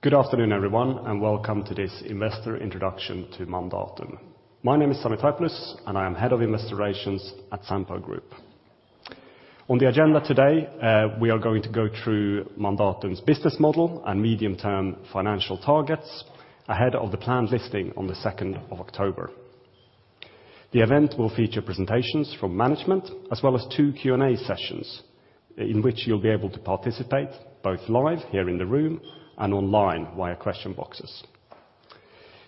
Good afternoon, everyone, and welcome to this investor introduction to Mandatum. My name is Sami Taipalus, and I am Head of Investor Relations at Sampo Group. On the agenda today, we are going to go through Mandatum's business model and medium-term financial targets ahead of the planned listing on the second of October. The event will feature presentations from management as well as two Q&A sessions, in which you'll be able to participate both live here in the room and online via question boxes.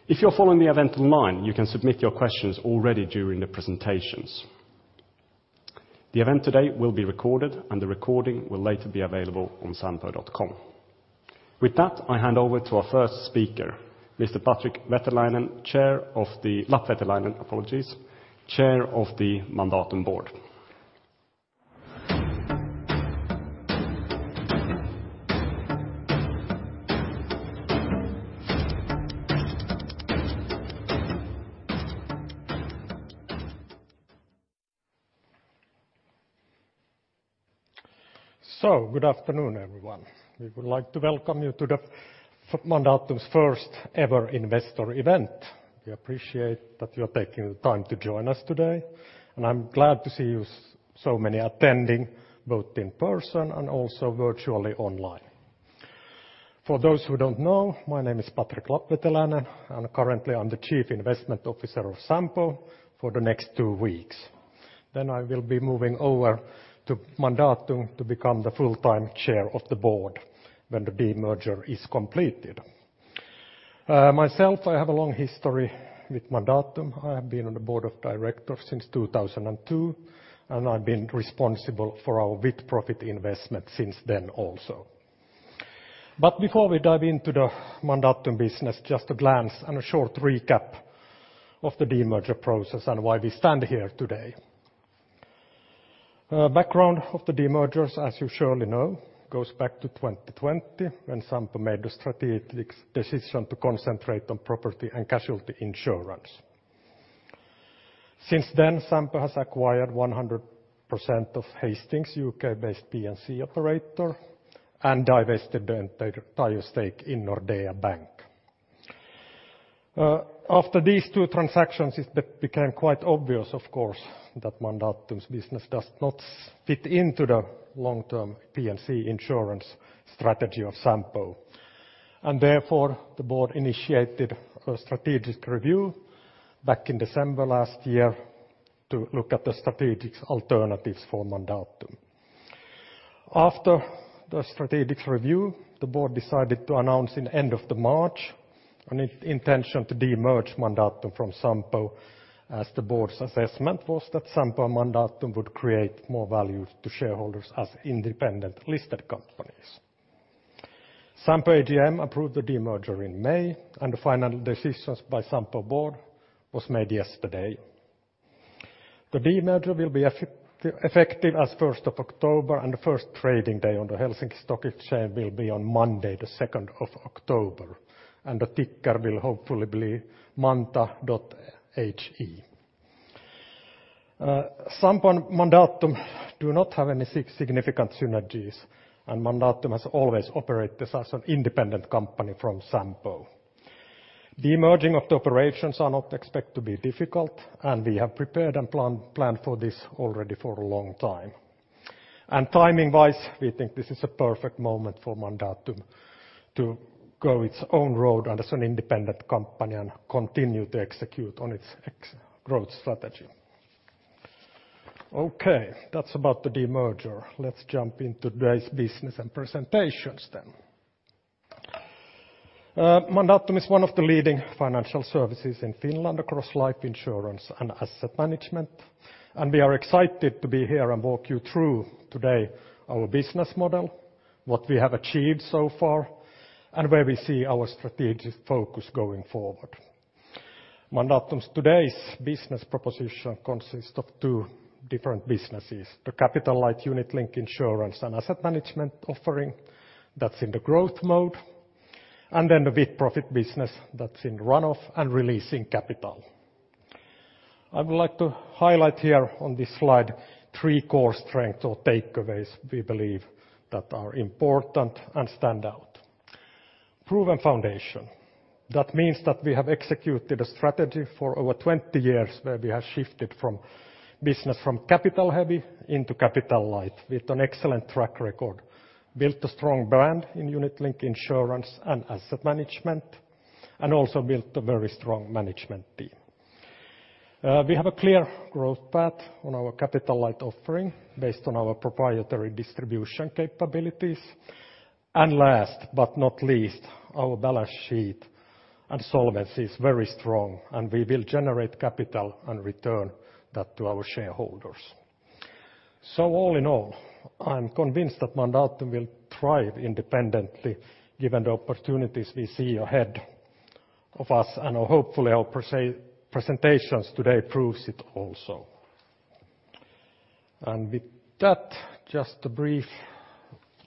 If you're following the event online, you can submit your questions already during the presentations. The event today will be recorded, and the recording will later be available on sampo.com. With that, I hand over to our first speaker, Mr. Patrick Lapveteläinen, Chair of the Mandatum Board. So good afternoon, everyone. We would like to welcome you to the Mandatum's first ever investor event. We appreciate that you are taking the time to join us today, and I'm glad to see you so many attending, both in person and also virtually online. For those who don't know, my name is Patrick Lapveteläinen, and currently I'm the Chief Investment Officer of Sampo for the next two weeks. Then I will be moving over to Mandatum to become the full-time Chair of the Board when the demerger is completed. Myself, I have a long history with Mandatum. I have been on the Board of Directors since 2002, and I've been responsible for our with-profit investment since then also. But before we dive into the Mandatum business, just a glance and a short recap of the demerger process and why we stand here today. Background of the demergers, as you surely know, goes back to 2020, when Sampo made a strategic decision to concentrate on property and casualty insurance. Since then, Sampo has acquired 100% of Hastings, UK-based P&C operator, and divested the entire stake in Nordea Bank. After these two transactions, it became quite obvious, of course, that Mandatum's business does not fit into the long-term P&C insurance strategy of Sampo, and therefore, the board initiated a strategic review back in December last year to look at the strategic alternatives for Mandatum. After the strategic review, the board decided to announce in end of March an intention to demerge Mandatum from Sampo, as the board's assessment was that Sampo and Mandatum would create more value to shareholders as independent-listed companies. Sampo AGM approved the demerger in May, and the final decisions by Sampo board was made yesterday. The demerger will be effective as first of October, and the first trading day on the Helsinki Stock Exchange will be on Monday, the second of October, and the ticker will hopefully be MANTA.HE. Sampo and Mandatum do not have any significant synergies, and Mandatum has always operated as an independent company from Sampo. Demerging of the operations are not expected to be difficult, and we have prepared and planned for this already for a long time. And timing-wise, we think this is a perfect moment for Mandatum to go its own road and as an independent company and continue to execute on its existing growth strategy. Okay, that's about the demerger. Let's jump into today's business and presentations then. Mandatum is one of the leading financial services in Finland across life insurance and asset management, and we are excited to be here and walk you through today our business model, what we have achieved so far, and where we see our strategic focus going forward. Mandatum's today's business proposition consists of two different businesses: the capital-light unit-linked insurance and asset management offering, that's in the growth mode, and then the with-profit business, that's in run-off and releasing capital. I would like to highlight here on this slide three core strengths or takeaways we believe that are important and stand out. Proven foundation. That means that we have executed a strategy for over 20 years, where we have shifted from business from capital-heavy into capital-light with an excellent track record, built a strong brand in unit-linked insurance and asset management, and also built a very strong management team. We have a clear growth path on our capital-light offering based on our proprietary distribution capabilities. And last but not least, our balance sheet and solvency is very strong, and we will generate capital and return that to our shareholders. So all in all, I'm convinced that Mandatum will thrive independently given the opportunities we see ahead of us, and hopefully our presentations today proves it also. And with that, just a brief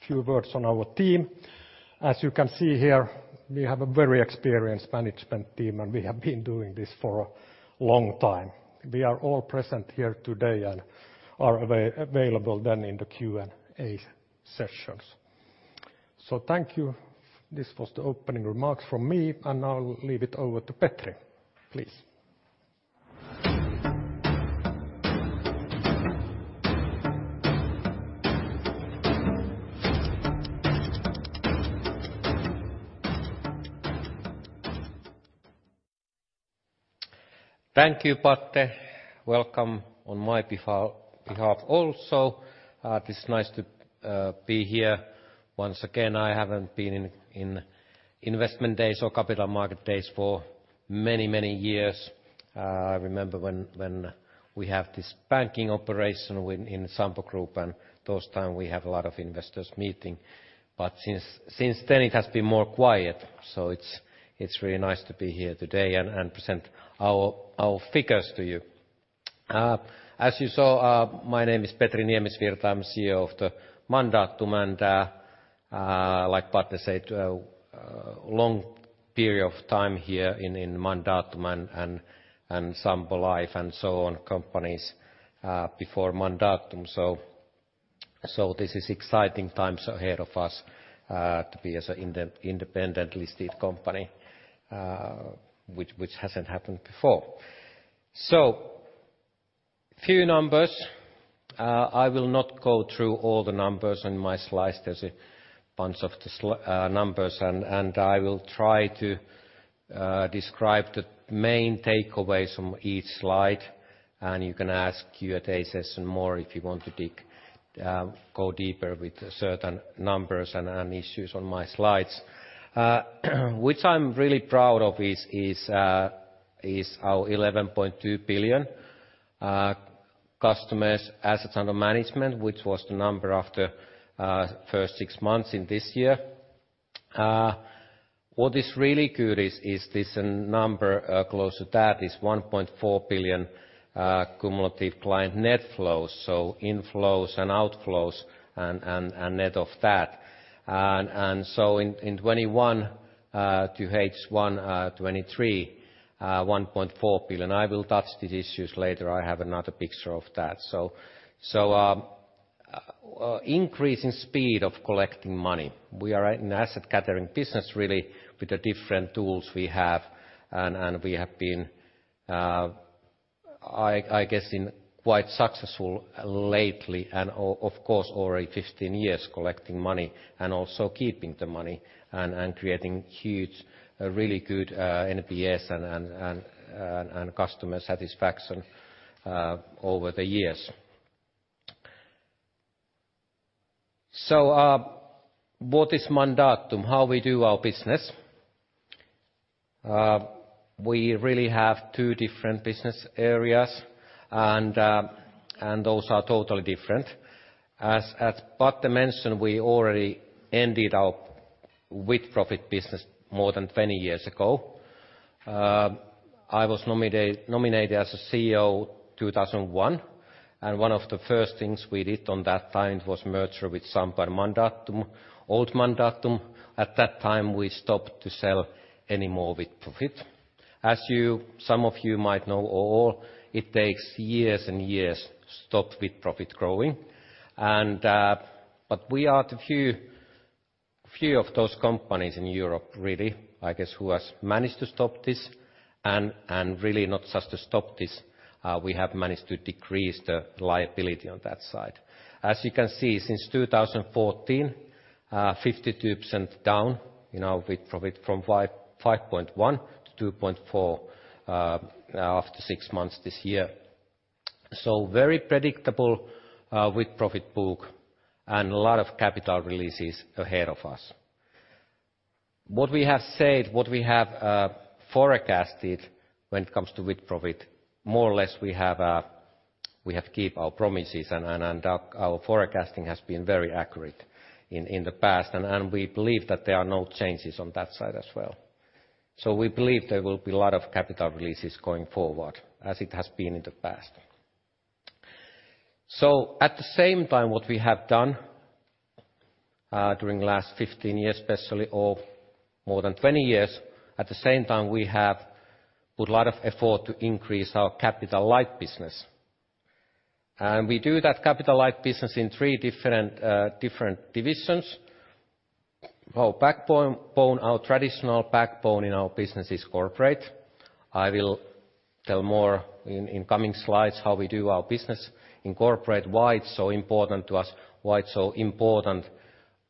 few words on our team. As you can see here, we have a very experienced management team, and we have been doing this for a long time. We are all present here today and are available then in the Q&A sessions. So thank you. This was the opening remarks from me, and I'll leave it over to Petri, please. Thank you, Patte. Welcome on my behalf also. It is nice to be here once again. I haven't been in investment days or capital market days for many, many years. I remember when we have this banking operation within Sampo Group, and those time we have a lot of investors meeting. But since then it has been more quiet, so it's really nice to be here today and present our figures to you. As you saw, my name is Petri Niemisvirta. I'm CEO of Mandatum, and like Patte said, long period of time here in Mandatum and Sampo Life, and so on, companies before Mandatum. So this is exciting times ahead of us to be as an independently listed company, which hasn't happened before. So few numbers. I will not go through all the numbers. In my slides, there's a bunch of the slides numbers and, and I will try to describe the main takeaways from each slide, and you can ask Q&A session more if you want to dig... go deeper with certain numbers and, and issues on my slides. Which I'm really proud of is our 11.2 billion customers assets under management, which was the number after first six months in this year. What is really good is this number close to that, is 1.4 billion cumulative client net flows, so inflows and outflows, and, and, and net of that. And, and so in 2021 to H1 2023, 1.4 billion. I will touch these issues later. I have another picture of that. Increasing speed of collecting money. We are an asset-gathering business, really, with the different tools we have, and we have been, I guess, increasingly successful lately and of course already 15 years collecting money and also keeping the money and creating huge, really good NPS and customer satisfaction over the years. So, what is Mandatum? How we do our business? We really have two different business areas, and those are totally different. As Patrick mentioned, we already ended our with-profit business more than 20 years ago. I was nominated as a CEO in 2001, and one of the first things we did at that time was merger with Sampo Mandatum, old Mandatum. At that time, we stopped to sell any more with-profit. As you, some of you might know or all, it takes years and years to stop with-profit growing, and but we are the few, few of those companies in Europe, really, I guess, who has managed to stop this, and really not just to stop this, we have managed to decrease the liability on that side. As you can see, since 2014, 52% down in our with-profit from 5.1 to 2.4 after six months this year. So very predictable with-profit book and a lot of capital releases ahead of us. What we have said, what we have forecasted when it comes to with-profit, more or less, we have keep our promises and our forecasting has been very accurate in the past, and we believe that there are no changes on that side as well. So we believe there will be a lot of capital releases going forward, as it has been in the past. So at the same time, what we have done during last 15 years, especially, or more than 20 years, at the same time, we have put a lot of effort to increase our capital-light business. And we do that capital-light business in three different divisions. Our backbone, our traditional backbone in our business is corporate. I will tell more in coming slides how we do our business in corporate, why it's so important to us, why it's so important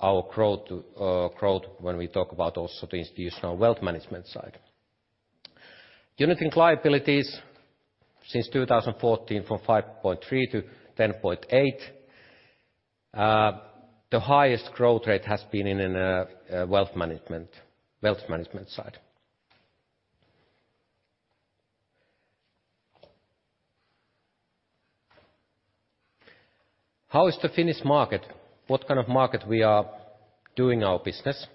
our growth, growth when we talk about also the institutional wealth management side. Unit-linked liabilities since 2014, from 5.3 to 10.8. The highest growth rate has been in wealth management side. How is the Finnish market? What kind of market we are doing our business?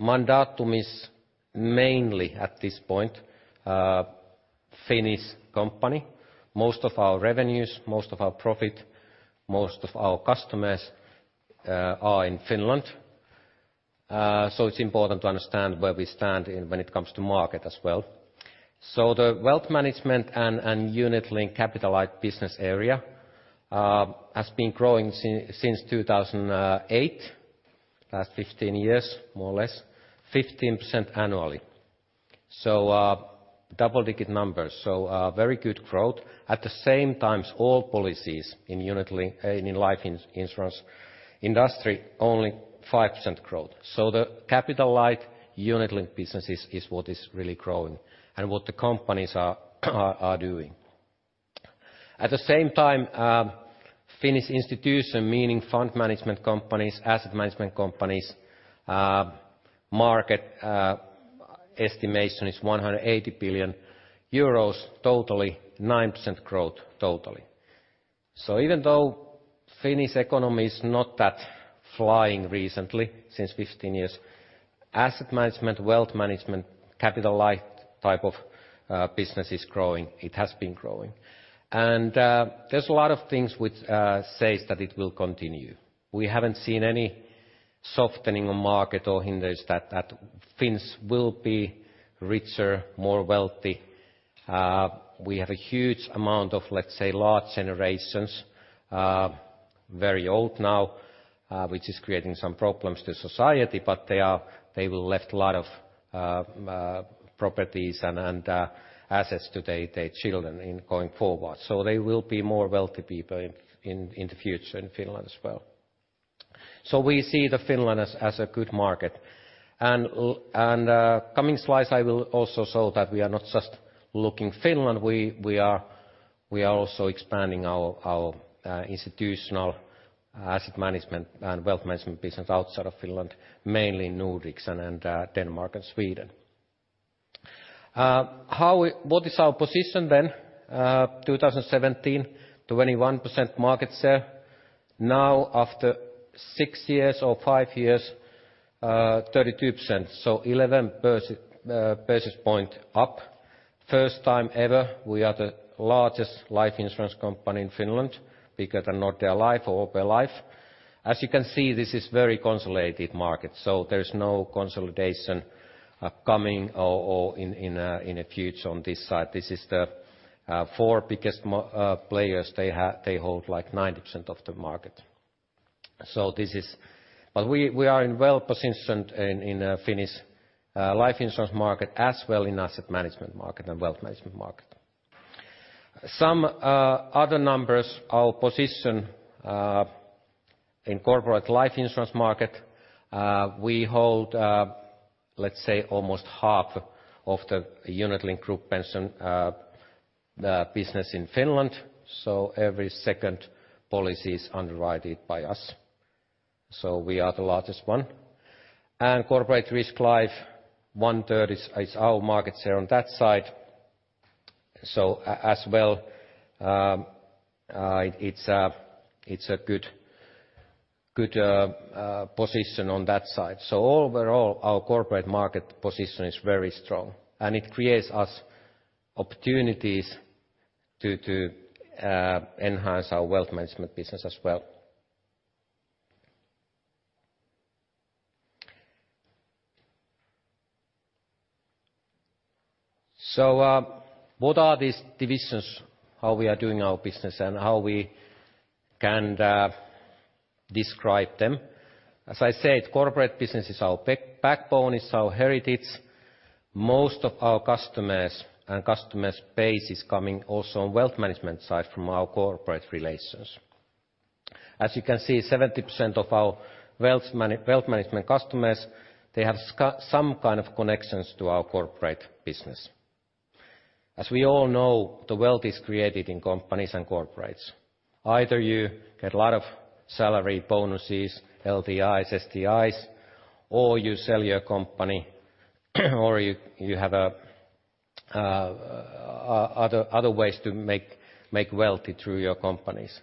Mandatum is mainly, at this point, Finnish company. Most of our revenues, most of our profit, most of our customers are in Finland. So it's important to understand where we stand in when it comes to market as well. So the wealth management and unit-linked capital-light business area has been growing since 2008. Last 15 years, more or less, 15% annually. So, double-digit numbers, so, very good growth. At the same time, all policies in unit-linked, in life insurance industry, only 5% growth. So the capita- light unit-linked business is what is really growing and what the companies are doing. At the same time, Finnish institution, meaning fund management companies, asset management companies, market estimation is 180 billion euros, totally 9% growth totally. So even though Finnish economy is not that flying recently, since 15 years, asset management, wealth management, capital-light type of business is growing. It has been growing. And, there's a lot of things which says that it will continue. We haven't seen any softening on market or hinders that Finns will be richer, more wealthy. We have a huge amount of, let's say, large generations, very old now, which is creating some problems to society, but they are- they will left a lot of, properties and, assets to their, their children in going forward. So there will be more wealthy people in, the future in Finland as well. So we see Finland as a good market. And coming slides, I will also show that we are not just looking Finland, we are also expanding our institutional asset management and wealth management business outside of Finland, mainly Nordics and Denmark and Sweden. What is our position then? 2017, 21% market share. Now, after six years or five years, 32%, so 11 percentage point up. First time ever, we are the largest life insurance company in Finland, bigger than Nordea Life or OP Life. As you can see, this is very consolidated market, so there is no consolidation coming or in a future on this side. This is the four biggest players they hold, like, 90% of the market. So this is... But we are well positioned in Finnish life insurance market, as well in asset management market and wealth management market. Some other numbers, our position in corporate life insurance market, we hold, let's say, almost half of the unit link group pension the business in Finland, so every second policy is underwritten by us. So we are the largest one. And corporate risk life, 1/3 is our market share on that side. So as well, it's a good position on that side. So overall, our corporate market position is very strong, and it creates us opportunities to enhance our wealth management business as well. So, what are these divisions, how we are doing our business, and how we can describe them? As I said, corporate business is our backbone, it's our heritage. Most of our customer base is coming also on wealth management side from our corporate relations. As you can see, 70% of our wealth management customers, they have some kind of connections to our corporate business. As we all know, the wealth is created in companies and corporates. Either you get a lot of salary, bonuses, LTI, STIs, or you sell your company, or you have other ways to make wealthy through your companies.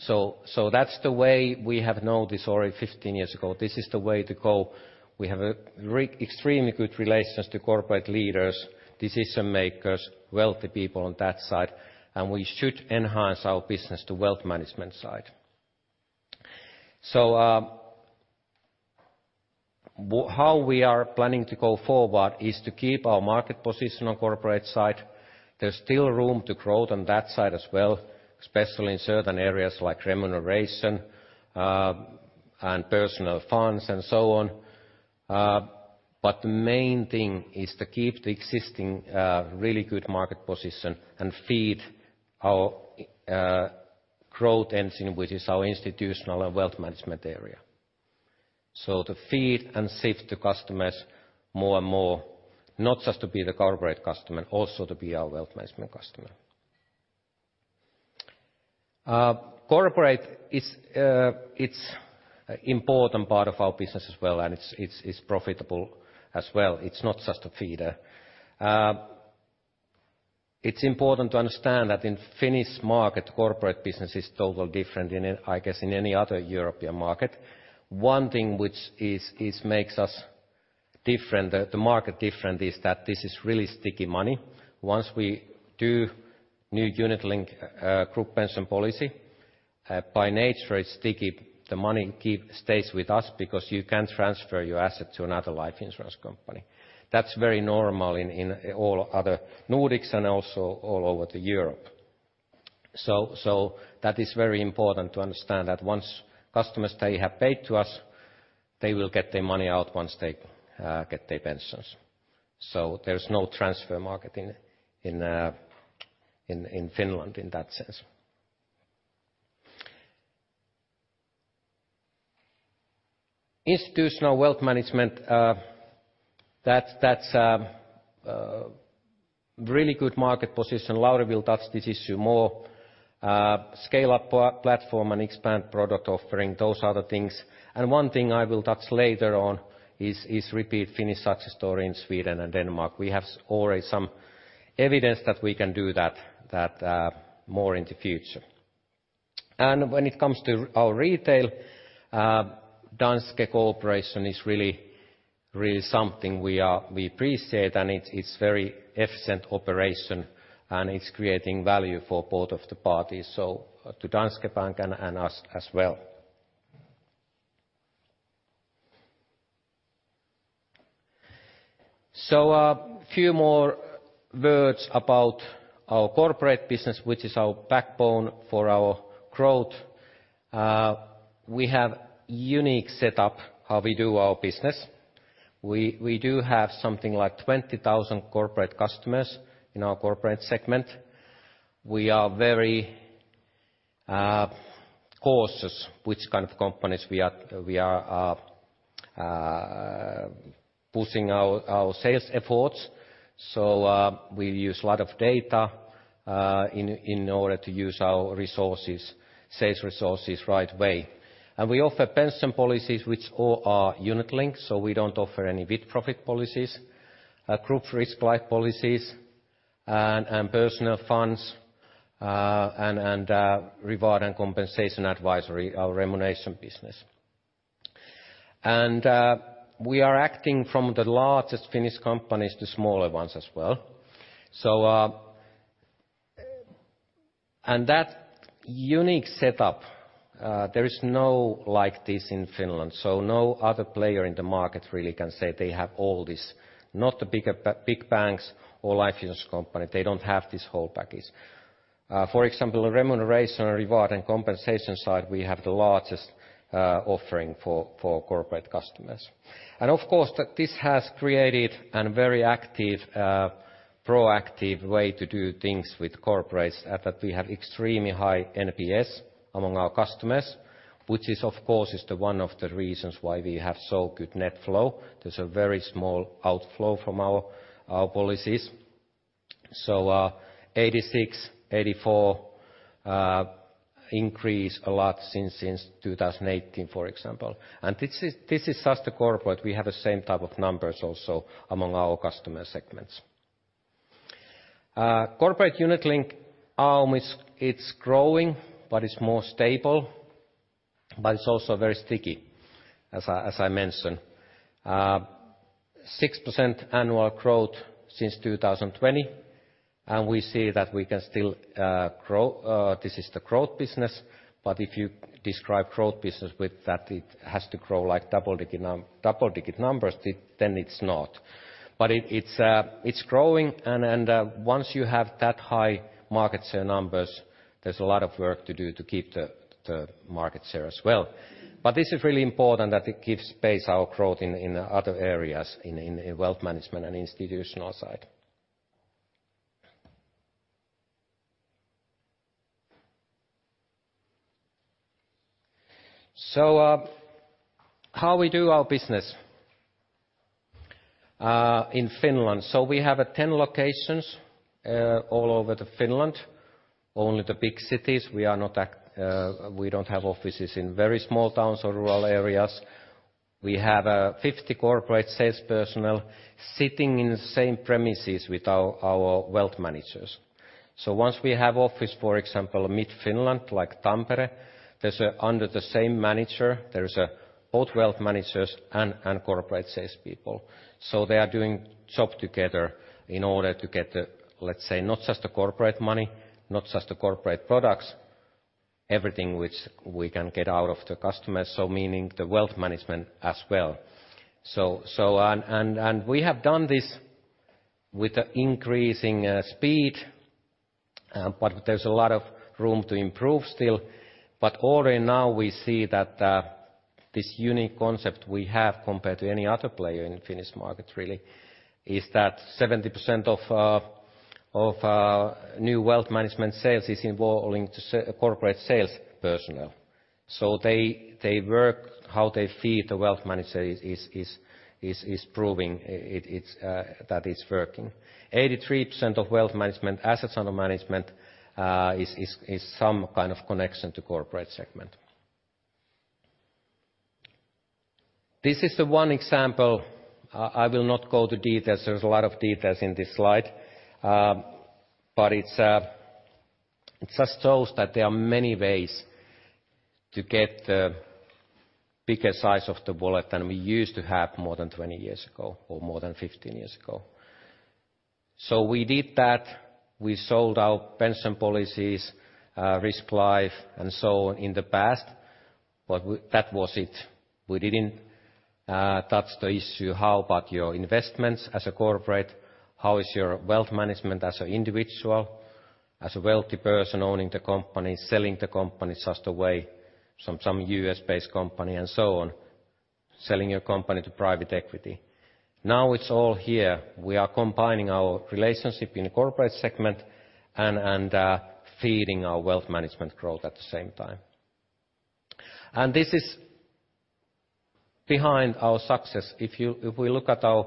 So that's the way we have known this already 15 years ago. This is the way to go. We have extremely good relations to corporate leaders, decision-makers, wealthy people on that side, and we should enhance our business to wealth management side. So how we are planning to go forward is to keep our market position on corporate side. There's still room to grow on that side as well, especially in certain areas like remuneration and personnel funds, and so on. But the main thing is to keep the existing really good market position and feed our growth engine, which is our institutional and wealth management area. So to feed and shift the customers more and more, not just to be the corporate customer, also to be our wealth management customer. Corporate is, it's important part of our business as well, and it's, it's, it's profitable as well. It's not just a feeder. It's important to understand that in Finnish market, corporate business is total different, I guess, in any other European market. One thing which makes us different, the market different, is that this is really sticky money. Once we do new unit link group pension policy, by nature, it's sticky. The money stays with us because you can't transfer your asset to another life insurance company. That's very normal in all other Nordics and also all over the Europe. So, that is very important to understand that once customers, they have paid to us, they will get their money out once they get their pensions. So there's no transfer market in, in, in Finland in that sense. Institutional wealth management, that's, that's really good market position. Lauri will touch this issue more. Scale up platform and expand product offering, those are the things. And one thing I will touch later on is repeat Finnish success story in Sweden and Denmark. We have already some evidence that we can do that, more in the future. And when it comes to our retail, Danske cooperation is really, really something we appreciate, and it's very efficient operation, and it's creating value for both of the parties, so to Danske Bank and us as well. So, few more words about our corporate business, which is our backbone for our growth. We have unique setup how we do our business. We do have something like 20,000 corporate customers in our corporate segment. We are very cautious which kind of companies we are pushing our sales efforts. So, we use lot of data in order to use our resources, sales resources, right way. And we offer pension policies which all are unit-linked, so we don't offer any with-profit policies, group risk life policies, and personal funds, and reward and compensation advisory, our remuneration business. And we are acting from the largest Finnish companies to smaller ones as well. So... That unique setup, there is no like this in Finland, so no other player in the market really can say they have all this, not the bigger big banks or life insurance company, they don't have this whole package. For example, on remuneration, reward, and compensation side, we have the largest offering for corporate customers. And of course, that this has created a very active, proactive way to do things with corporates, that we have extremely high NPS among our customers, which is, of course, one of the reasons why we have so good net flow. There's a very small outflow from our policies. So, 86, 84 increase a lot since 2018, for example. And this is just the corporate. We have the same type of numbers also among our customer segments. Corporate unit-linked AUM is, it's growing, but it's more stable, but it's also very sticky, as I mentioned. 6% annual growth since 2020, and we see that we can still grow. This is the growth business, but if you describe growth business with that, it has to grow like double-digit numbers, then it's not. But it's growing, and once you have that high market share numbers, there's a lot of work to do to keep the market share as well. But this is really important that it gives base our growth in wealth management and institutional side. So, how we do our business in Finland? So we have 10 locations all over Finland, only the big cities. We are not, we don't have offices in very small towns or rural areas. We have, 50 corporate sales personnel sitting in the same premises with our, our wealth managers. So once we have office, for example, mid-Finland, like Tampere, there's a... Under the same manager, there is a both wealth managers and, and corporate salespeople. So they are doing job together in order to get the, let's say, not just the corporate money, not just the corporate products, everything which we can get out of the customers, so meaning the wealth management as well. So, so, and, and, and we have done this with the increasing, speed, but there's a lot of room to improve still. But already now we see that this unique concept we have, compared to any other player in the Finnish market, really, is that 70% of new wealth management sales is involving the corporate sales personnel. So they work, how they feed the wealth manager is proving it that it's working. 83% of wealth management assets under management is some kind of connection to corporate segment. This is the one example, I will not go to details. There's a lot of details in this slide. But it just shows that there are many ways to get the bigger size of the wallet than we used to have more than 20 years ago or more than 15 years ago. So we did that, we sold our pension policies, risk life, and so on, in the past. But we, that was it. We didn't touch the issue, how about your investments as a corporate? How is your wealth management as an individual, as a wealthy person owning the company, selling the company just away from some US-based company, and so on, selling your company to private equity? Now it's all here. We are combining our relationship in the corporate segment and feeding our wealth management growth at the same time. And this is behind our success. If you, if we look at our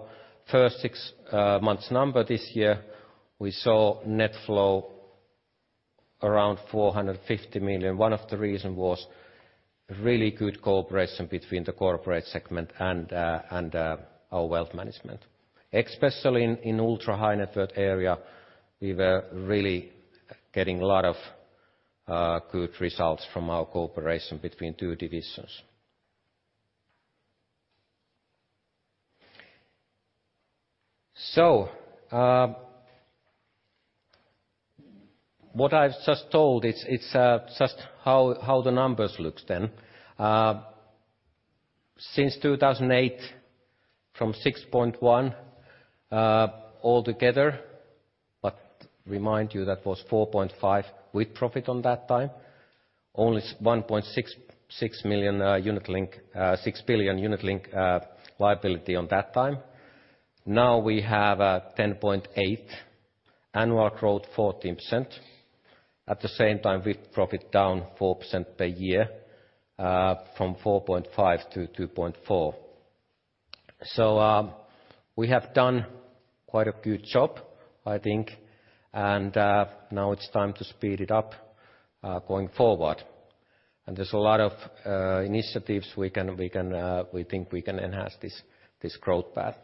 first six months number this year, we saw net flow around 450 million. One of the reason was really good cooperation between the corporate segment and our wealth management. Especially in the ultra-high-net-worth area, we were really getting a lot of good results from our cooperation between two divisions. So, what I've just told, it's just how the numbers looks then. Since 2008, from 6.1 billion all together, but remind you that was 4.5 billion with-profit at that time, only 1.66 billion unit-linked, 6 billion unit-linked liability at that time. Now we have 10.8 billion, annual growth 14%. At the same time, with-profit down 4% per year, from 4.5 billion to 2.4 billion. So, we have done quite a good job, I think, and now it's time to speed it up going forward. There's a lot of initiatives we can, we can, we think we can enhance this growth path.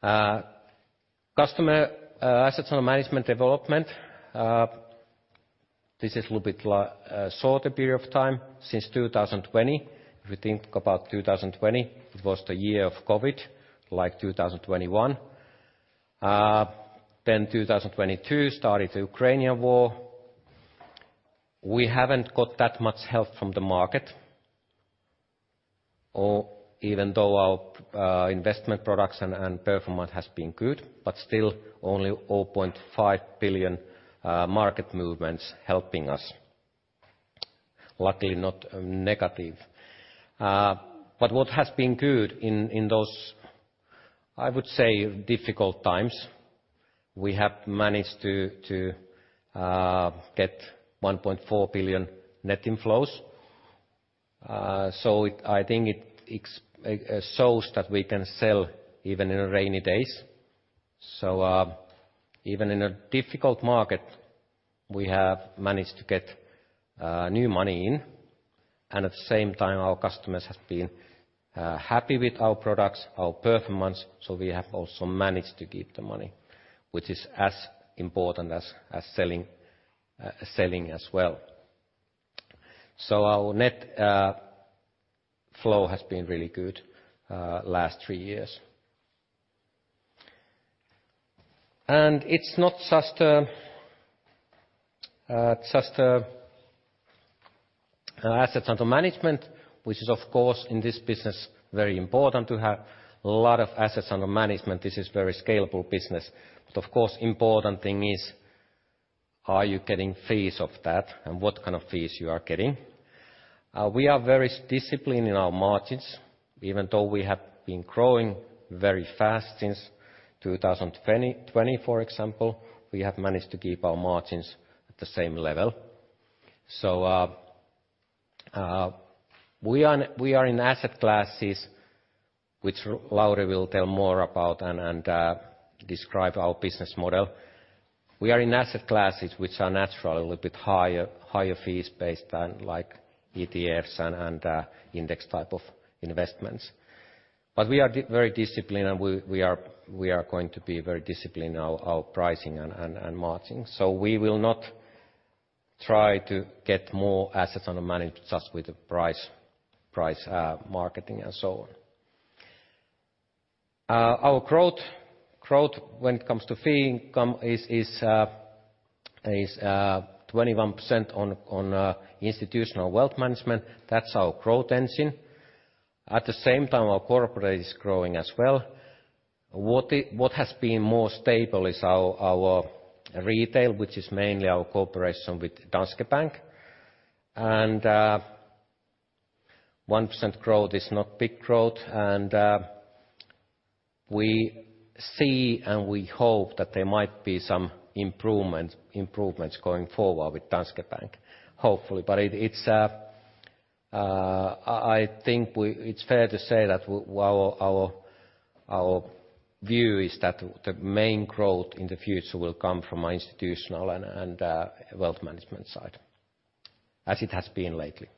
Customer assets under management development, this is a little bit like shorter period of time, since 2020. If you think about 2020, it was the year of COVID, like 2021. Then 2022 started the Ukrainian war. We haven't got that much help from the market, or even though our investment products and performance has been good, but still only 0.5 billion market movements helping us. Luckily, not negative. But what has been good in those, I would say, difficult times, we have managed to get 1.4 billion net inflows. So it, I think it shows that we can sell even in rainy days. So, even in a difficult market, we have managed to get new money in, and at the same time, our customers have been happy with our products, our performance, so we have also managed to keep the money, which is as important as selling, selling as well. So our net flow has been really good last three years. And it's not just assets under management, which is, of course, in this business, very important to have a lot of assets under management. This is very scalable business. But of course, important thing is, are you getting fees of that? And what kind of fees you are getting. We are very disciplined in our margins, even though we have been growing very fast since 2020, for example, we have managed to keep our margins at the same level. So, we are in asset classes, which Lauri will tell more about and describe our business model. We are in asset classes, which are naturally a little bit higher fees based on, like, ETFs and index type of investments. But we are very disciplined, and we are going to be very disciplined in our pricing and margins. So we will not try to get more assets under management just with the price, marketing and so on. Our growth, when it comes to fee income, is 21% on institutional wealth management. That's our growth engine. At the same time, our corporate is growing as well. What has been more stable is our retail, which is mainly our cooperation with Danske Bank. One percent growth is not big growth, and we see and we hope that there might be some improvement, improvements going forward with Danske Bank, hopefully. But it's, I think it's fair to say that our view is that the main growth in the future will come from our institutional and wealth management side, as it has been lately.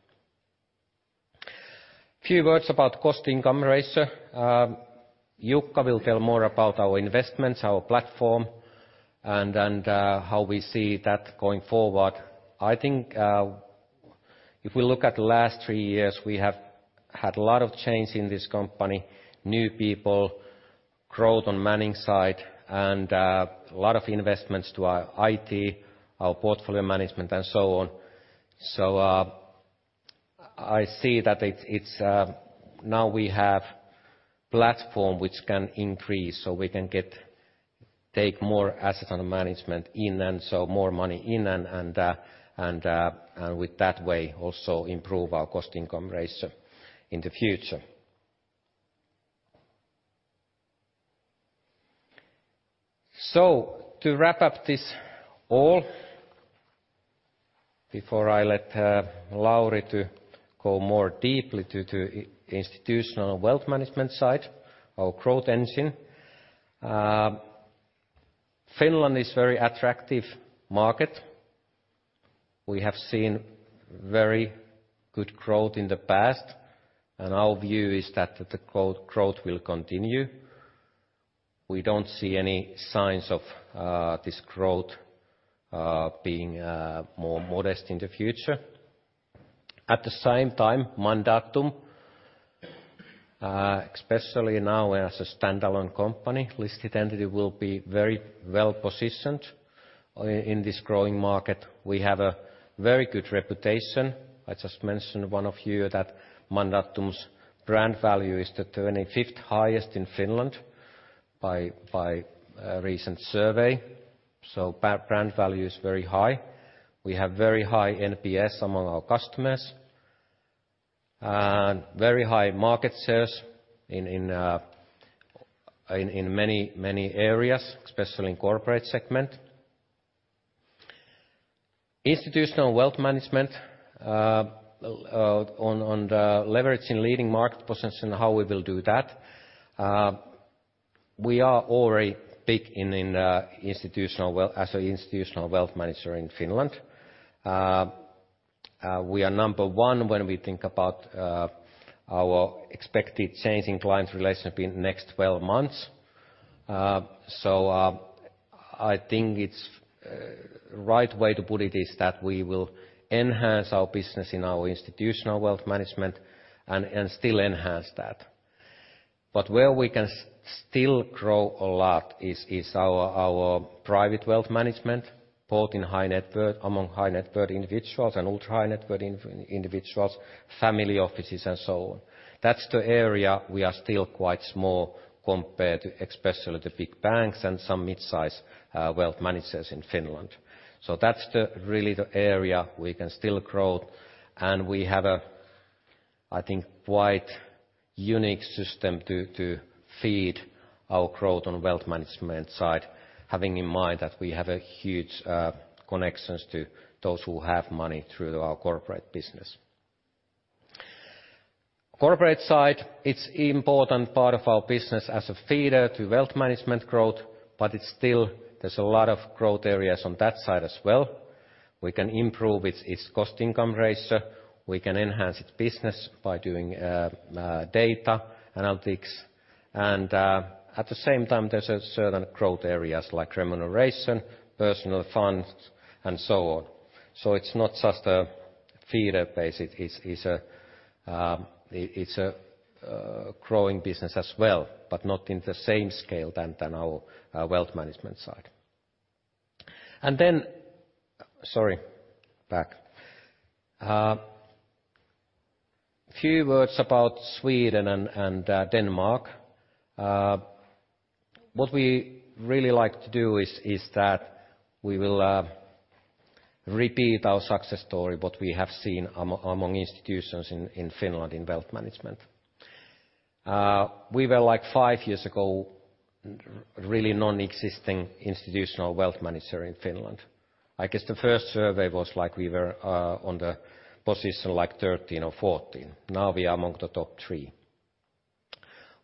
A few words about cost-income ratio. Jukka will tell more about our investments, our platform, and how we see that going forward. I think, if we look at the last three years, we have had a lot of change in this company, new people, growth on manning side and a lot of investments to our IT, our portfolio management, and so on. So, I see that it, it's now we have platform which can increase, so we can take more assets under management in, and so more money in and, and, and with that way also improve our cost income ratio in the future. So to wrap up this all, before I let Lauri to go more deeply to the institutional wealth management side, our growth engine. Finland is very attractive market. We have seen very good growth in the past, and our view is that the growth will continue. We don't see any signs of this growth being more modest in the future. At the same time, Mandatum, especially now as a standalone company, listed entity will be very well-positioned in this growing market. We have a very good reputation. I just mentioned one of you that Mandatum's brand value is the 25th highest in Finland by a recent survey, so brand value is very high. We have very high NPS among our customers, and very high market shares in many areas, especially in corporate segment. Institutional wealth management, on the leveraging leading market position, how we will do that? We are already big in institutional wealth as an institutional wealth manager in Finland. We are number one when we think about our expected changing client relationship in the next 12 months. So, I think it's right way to put it is that we will enhance our business in our institutional wealth management and still enhance that. But where we can still grow a lot is our private wealth management, both in high net worth, among high net worth individuals and ultra-high net worth individuals, family offices, and so on. That's the area we are still quite small compared to especially the big banks and some mid-size wealth managers in Finland. So that's really the area we can still grow, and we have a, I think, quite unique system to feed our growth on wealth management side, having in mind that we have a huge connections to those who have money through our corporate business. Corporate side, it's important part of our business as a feeder to wealth management growth, but it's still, there's a lot of growth areas on that side as well. We can improve its cost-income ratio, we can enhance its business by doing data analytics, and at the same time, there's a certain growth areas like remuneration, personal funds, and so on. So it's not just a feeder base, it's a growing business as well, but not in the same scale than our wealth management side. And then... Sorry, back. Few words about Sweden and Denmark. What we really like to do is that we will repeat our success story, what we have seen among institutions in Finland in wealth management. We were, like five years ago, really non-existing institutional wealth manager in Finland. I guess the first survey was like we were on the position like 13 or 14. Now, we are among the top three.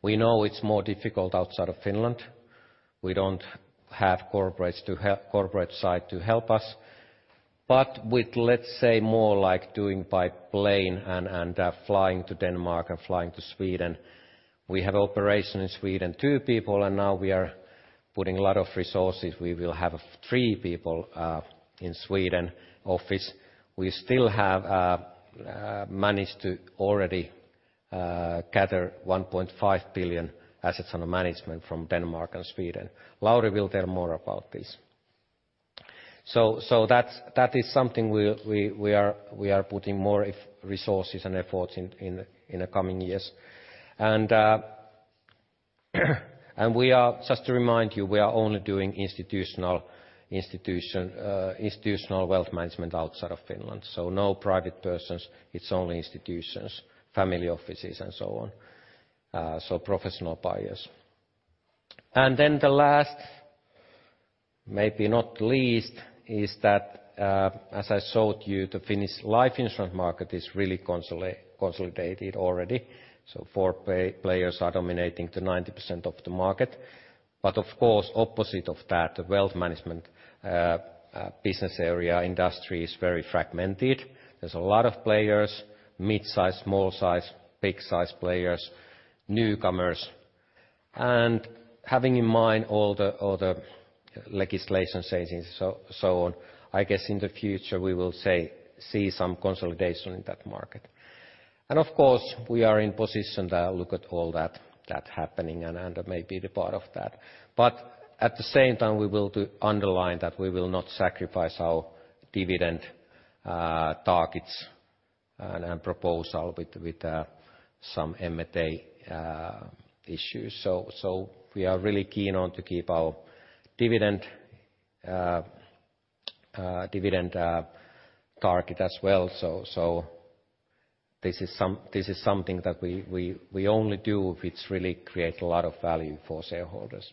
We know it's more difficult outside of Finland. We don't have corporates to corporate side to help us, but with, let's say, more like doing by plane and, and, flying to Denmark and flying to Sweden, we have operation in Sweden, two people, and now we are putting a lot of resources. We will have three people in Sweden office. We still have managed to already gather 1.5 billion assets under management from Denmark and Sweden. Lauri will tell more about this. So, so that's, that is something we, we, we are, we are putting more if resources and efforts in, in, in the coming years. And we are, just to remind you, we are only doing institutional wealth management outside of Finland. So no private persons, it's only institutions, family offices, and so on, so professional buyers. And then the last, maybe not least, is that, as I showed you, the Finnish life insurance market is really consolidated already, so four players are dominating the 90% of the market. But of course, opposite of that, the wealth management business area industry is very fragmented. There's a lot of players, mid-size, small-size, big-size players, newcomers. And having in mind all the, all the legislation changes, so on, I guess in the future, we will see some consolidation in that market. And of course, we are in position to look at all that happening, and may be the part of that. But at the same time, we will to underline that we will not sacrifice our dividend targets and proposal with some M&A issues. So we are really keen on to keep our dividend target as well. So this is something that we only do, which really create a lot of value for shareholders.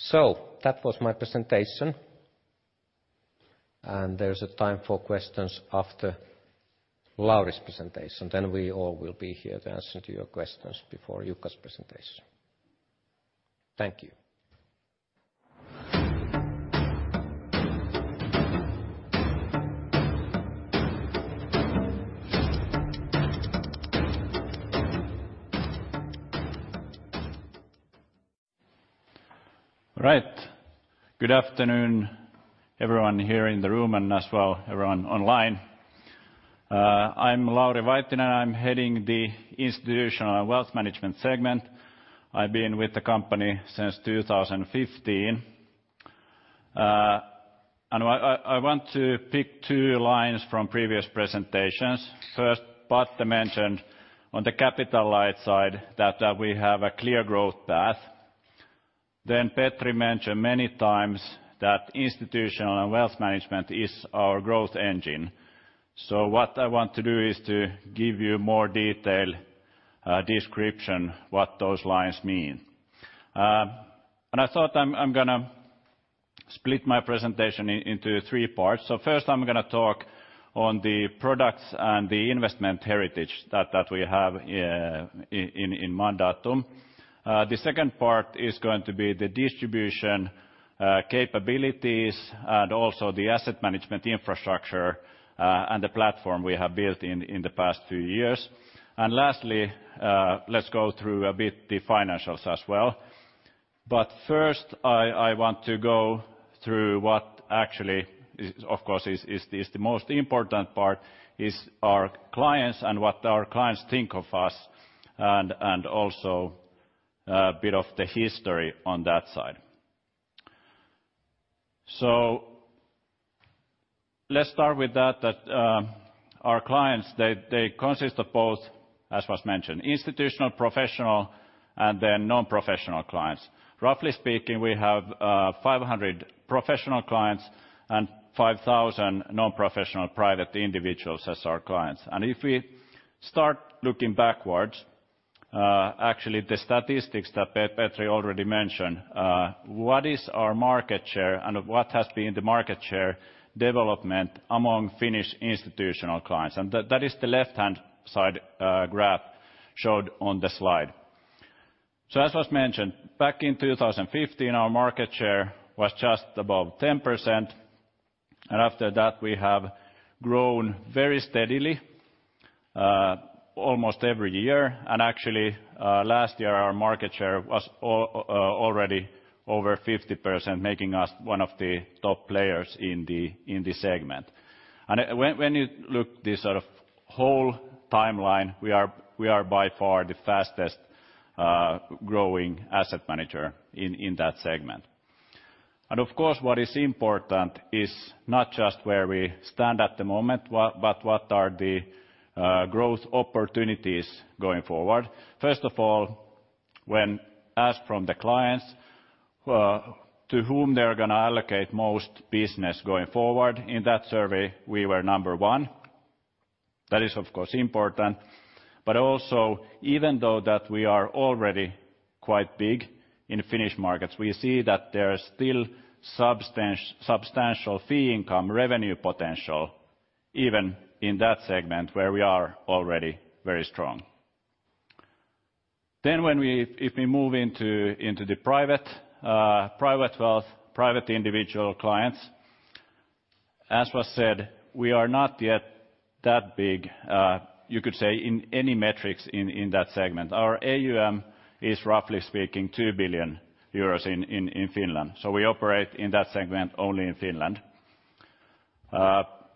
So that was my presentation. And there's a time for questions after Lauri's presentation. Then we all will be here to answer to your questions before Jukka's presentation. Thank you. All right. Good afternoon, everyone here in the room and as well, everyone online. I'm Lauri Vaittinen, and I'm heading the Institutional Wealth Management segment. I've been with the company since 2015. And I want to pick two lines from previous presentations. First, Patte mentioned on the capital light side that we have a clear growth path. Then Petri mentioned many times that institutional and wealth management is our growth engine. So what I want to do is to give you more detail, description, what those lines mean. And I thought I'm gonna split my presentation into three parts. So first, I'm gonna talk on the products and the investment heritage that we have in Mandatum. The second part is going to be the distribution capabilities, and also the asset management infrastructure, and the platform we have built in the past few years. And lastly, let's go through a bit the financials as well. But first, I want to go through what actually is, of course, the most important part, is our clients and what our clients think of us, and also a bit of the history on that side. So let's start with that, our clients. They consist of both, as was mentioned, institutional, professional, and then non-professional clients. Roughly speaking, we have 500 professional clients and 5,000 non-professional private individuals as our clients. And if we start looking backwards, actually, the statistics that Petri already mentioned, what is our market share and what has been the market share development among Finnish institutional clients? And that, that is the left-hand side, graph shown on the slide. So as was mentioned, back in 2015, our market share was just above 10%, and after that, we have grown very steadily, almost every year. And actually, last year, our market share was already over 50%, making us one of the top players in the segment. And when, when you look this sort of whole timeline, we are, we are by far the fastest growing asset manager in that segment. And of course, what is important is not just where we stand at the moment, but what are the growth opportunities going forward. First of all, when asked from the clients to whom they're gonna allocate most business going forward, in that survey, we were number one. That is, of course, important. But also, even though that we are already quite big in Finnish markets, we see that there is still substantial fee income, revenue potential, even in that segment where we are already very strong. Then if we move into the private wealth, private individual clients, as was said, we are not yet that big, you could say, in any metrics in that segment. Our AUM is, roughly speaking, 2 billion euros in Finland, so we operate in that segment only in Finland.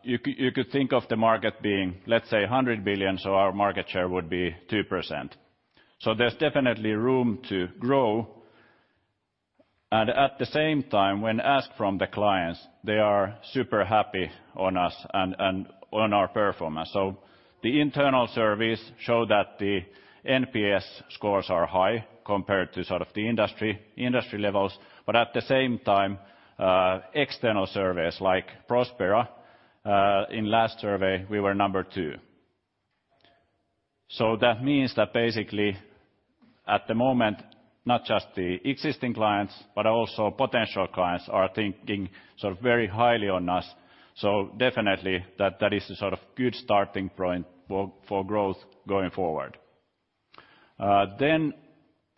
You could think of the market being, let's say, 100 billion, so our market share would be 2%. So there's definitely room to grow. And at the same time, when asked from the clients, they are super happy on us and on our performance. So the internal surveys show that the NPS scores are high compared to sort of the industry levels. But at the same time, external surveys like Prospera in last survey, we were number two. So that means that basically, at the moment, not just the existing clients, but also potential clients are thinking sort of very highly on us. So definitely, that is a sort of good starting point for growth going forward. Then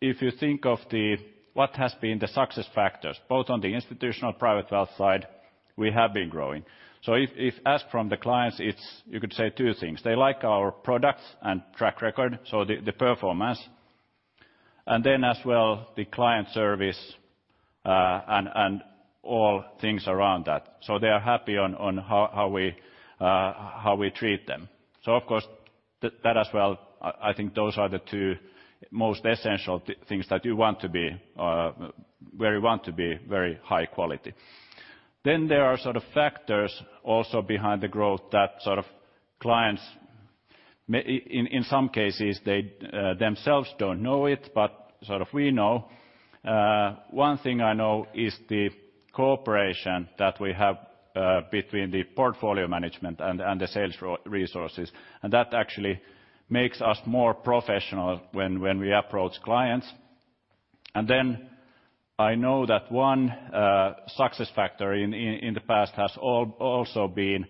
if you think of the... What has been the success factors, both on the institutional private wealth side, we have been growing. So if asked from the clients, it's, you could say two things: They like our products and track record, so the performance. And then as well, the client service, and all things around that. So they are happy on how we treat them. So of course, that as well, I think those are the two most essential things that you want to be where you want to be very high quality. Then there are sort of factors also behind the growth that sort of clients, in some cases, they themselves don't know it, but sort of we know. One thing I know is the cooperation that we have between the portfolio management and the sales resources, and that actually makes us more professional when we approach clients. And then I know that one success factor in the past has also been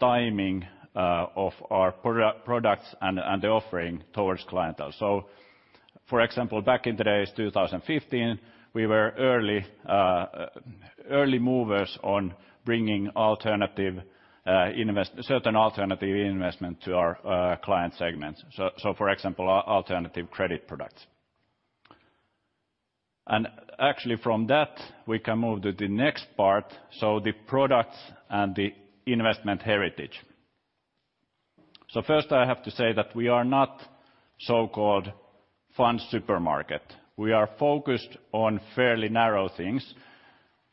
timing of our products and the offering towards clientele. So for example, back in the days 2015, we were early movers on bringing alternative certain alternative investment to our client segments. So for example, our alternative credit products. And actually, from that, we can move to the next part, so the products and the investment heritage. So first, I have to say that we are not so-called fund supermarket. We are focused on fairly narrow things,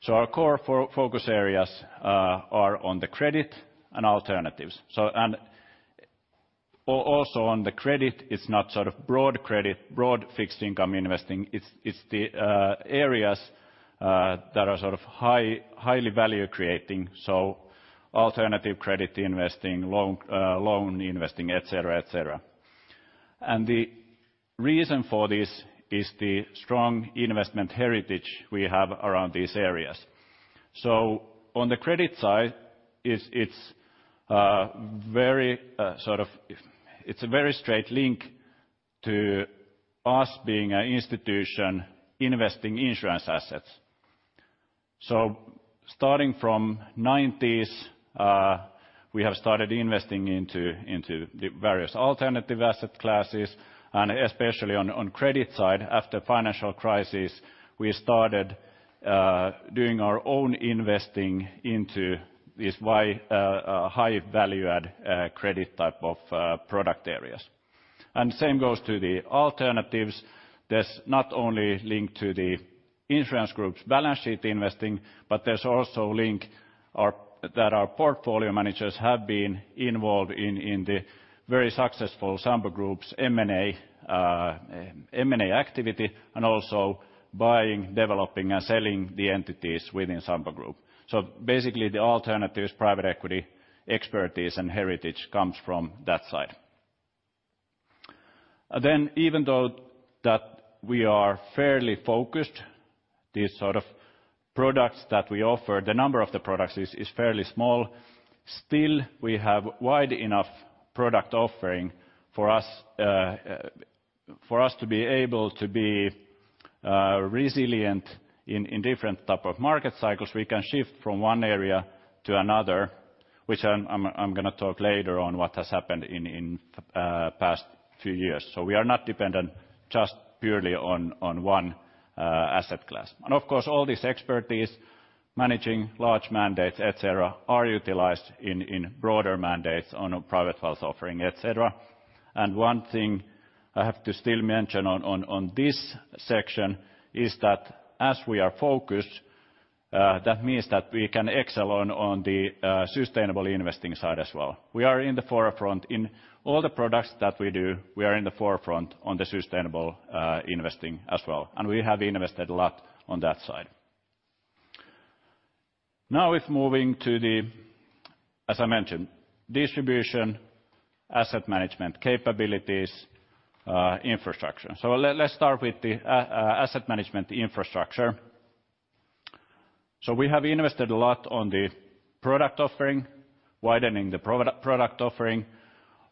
so our core focus areas are on the credit and alternatives. So, and also on the credit, it's not sort of broad credit, broad fixed income investing, it's the areas that are sort of highly value creating, so alternative credit investing, loan investing, et cetera. And the reason for this is the strong investment heritage we have around these areas. So on the credit side, it's very sort of, it's a very straight link to us being an institution investing insurance assets. So starting from the 1990s, we have started investing into the various alternative asset classes, and especially on the credit side, after financial crisis, we started doing our own investing into this high value add credit type of product areas. Same goes to the alternatives. There's not only link to the insurance group's balance sheet investing, but there's also link that our portfolio managers have been involved in the very successful Sampo Group's M&A activity, and also buying, developing, and selling the entities within Sampo Group. So basically, the alternatives, private equity, expertise, and heritage comes from that side. Then even though that we are fairly focused, these sort of products that we offer, the number of the products is fairly small, still, we have wide enough product offering for us to be able to be resilient in different type of market cycles. We can shift from one area to another, which I'm gonna talk later on what has happened in past few years. So we are not dependent just purely on one asset class. And of course, all this expertise, managing large mandates, et cetera, are utilized in broader mandates on a private wealth offering, et cetera. And one thing I have to still mention on this section is that as we are focused, that means that we can excel on the sustainable investing side as well. We are in the forefront in all the products that we do, we are in the forefront on the sustainable investing as well, and we have invested a lot on that side. Now, with moving to the, as I mentioned, distribution, asset management capabilities, infrastructure. So let's start with the asset management infrastructure. So we have invested a lot on the product offering, widening the product offering,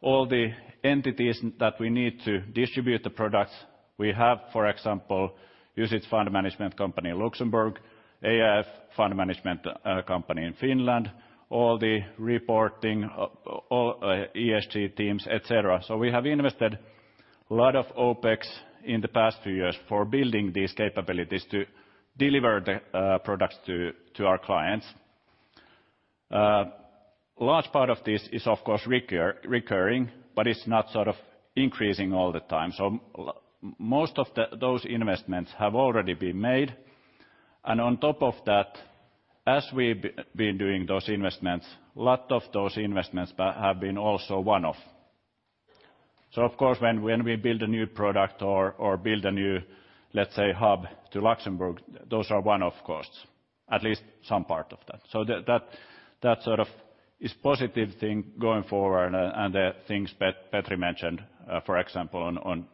all the entities that we need to distribute the products. We have, for example, UCITS fund management company in Luxembourg, AIF fund management company in Finland, all the reporting, ESG teams, et cetera. So we have invested a lot of OpEx in the past few years for building these capabilities to deliver the products to our clients. Large part of this is, of course, recurring, but it's not sort of increasing all the time. So most of those investments have already been made, and on top of that, as we've been doing those investments, a lot of those investments have been also one-off. So of course, when we build a new product or build a new, let's say, hub to Luxembourg, those are one-off costs, at least some part of that. So that sort of is positive thing going forward, and the things Petri mentioned, for example, on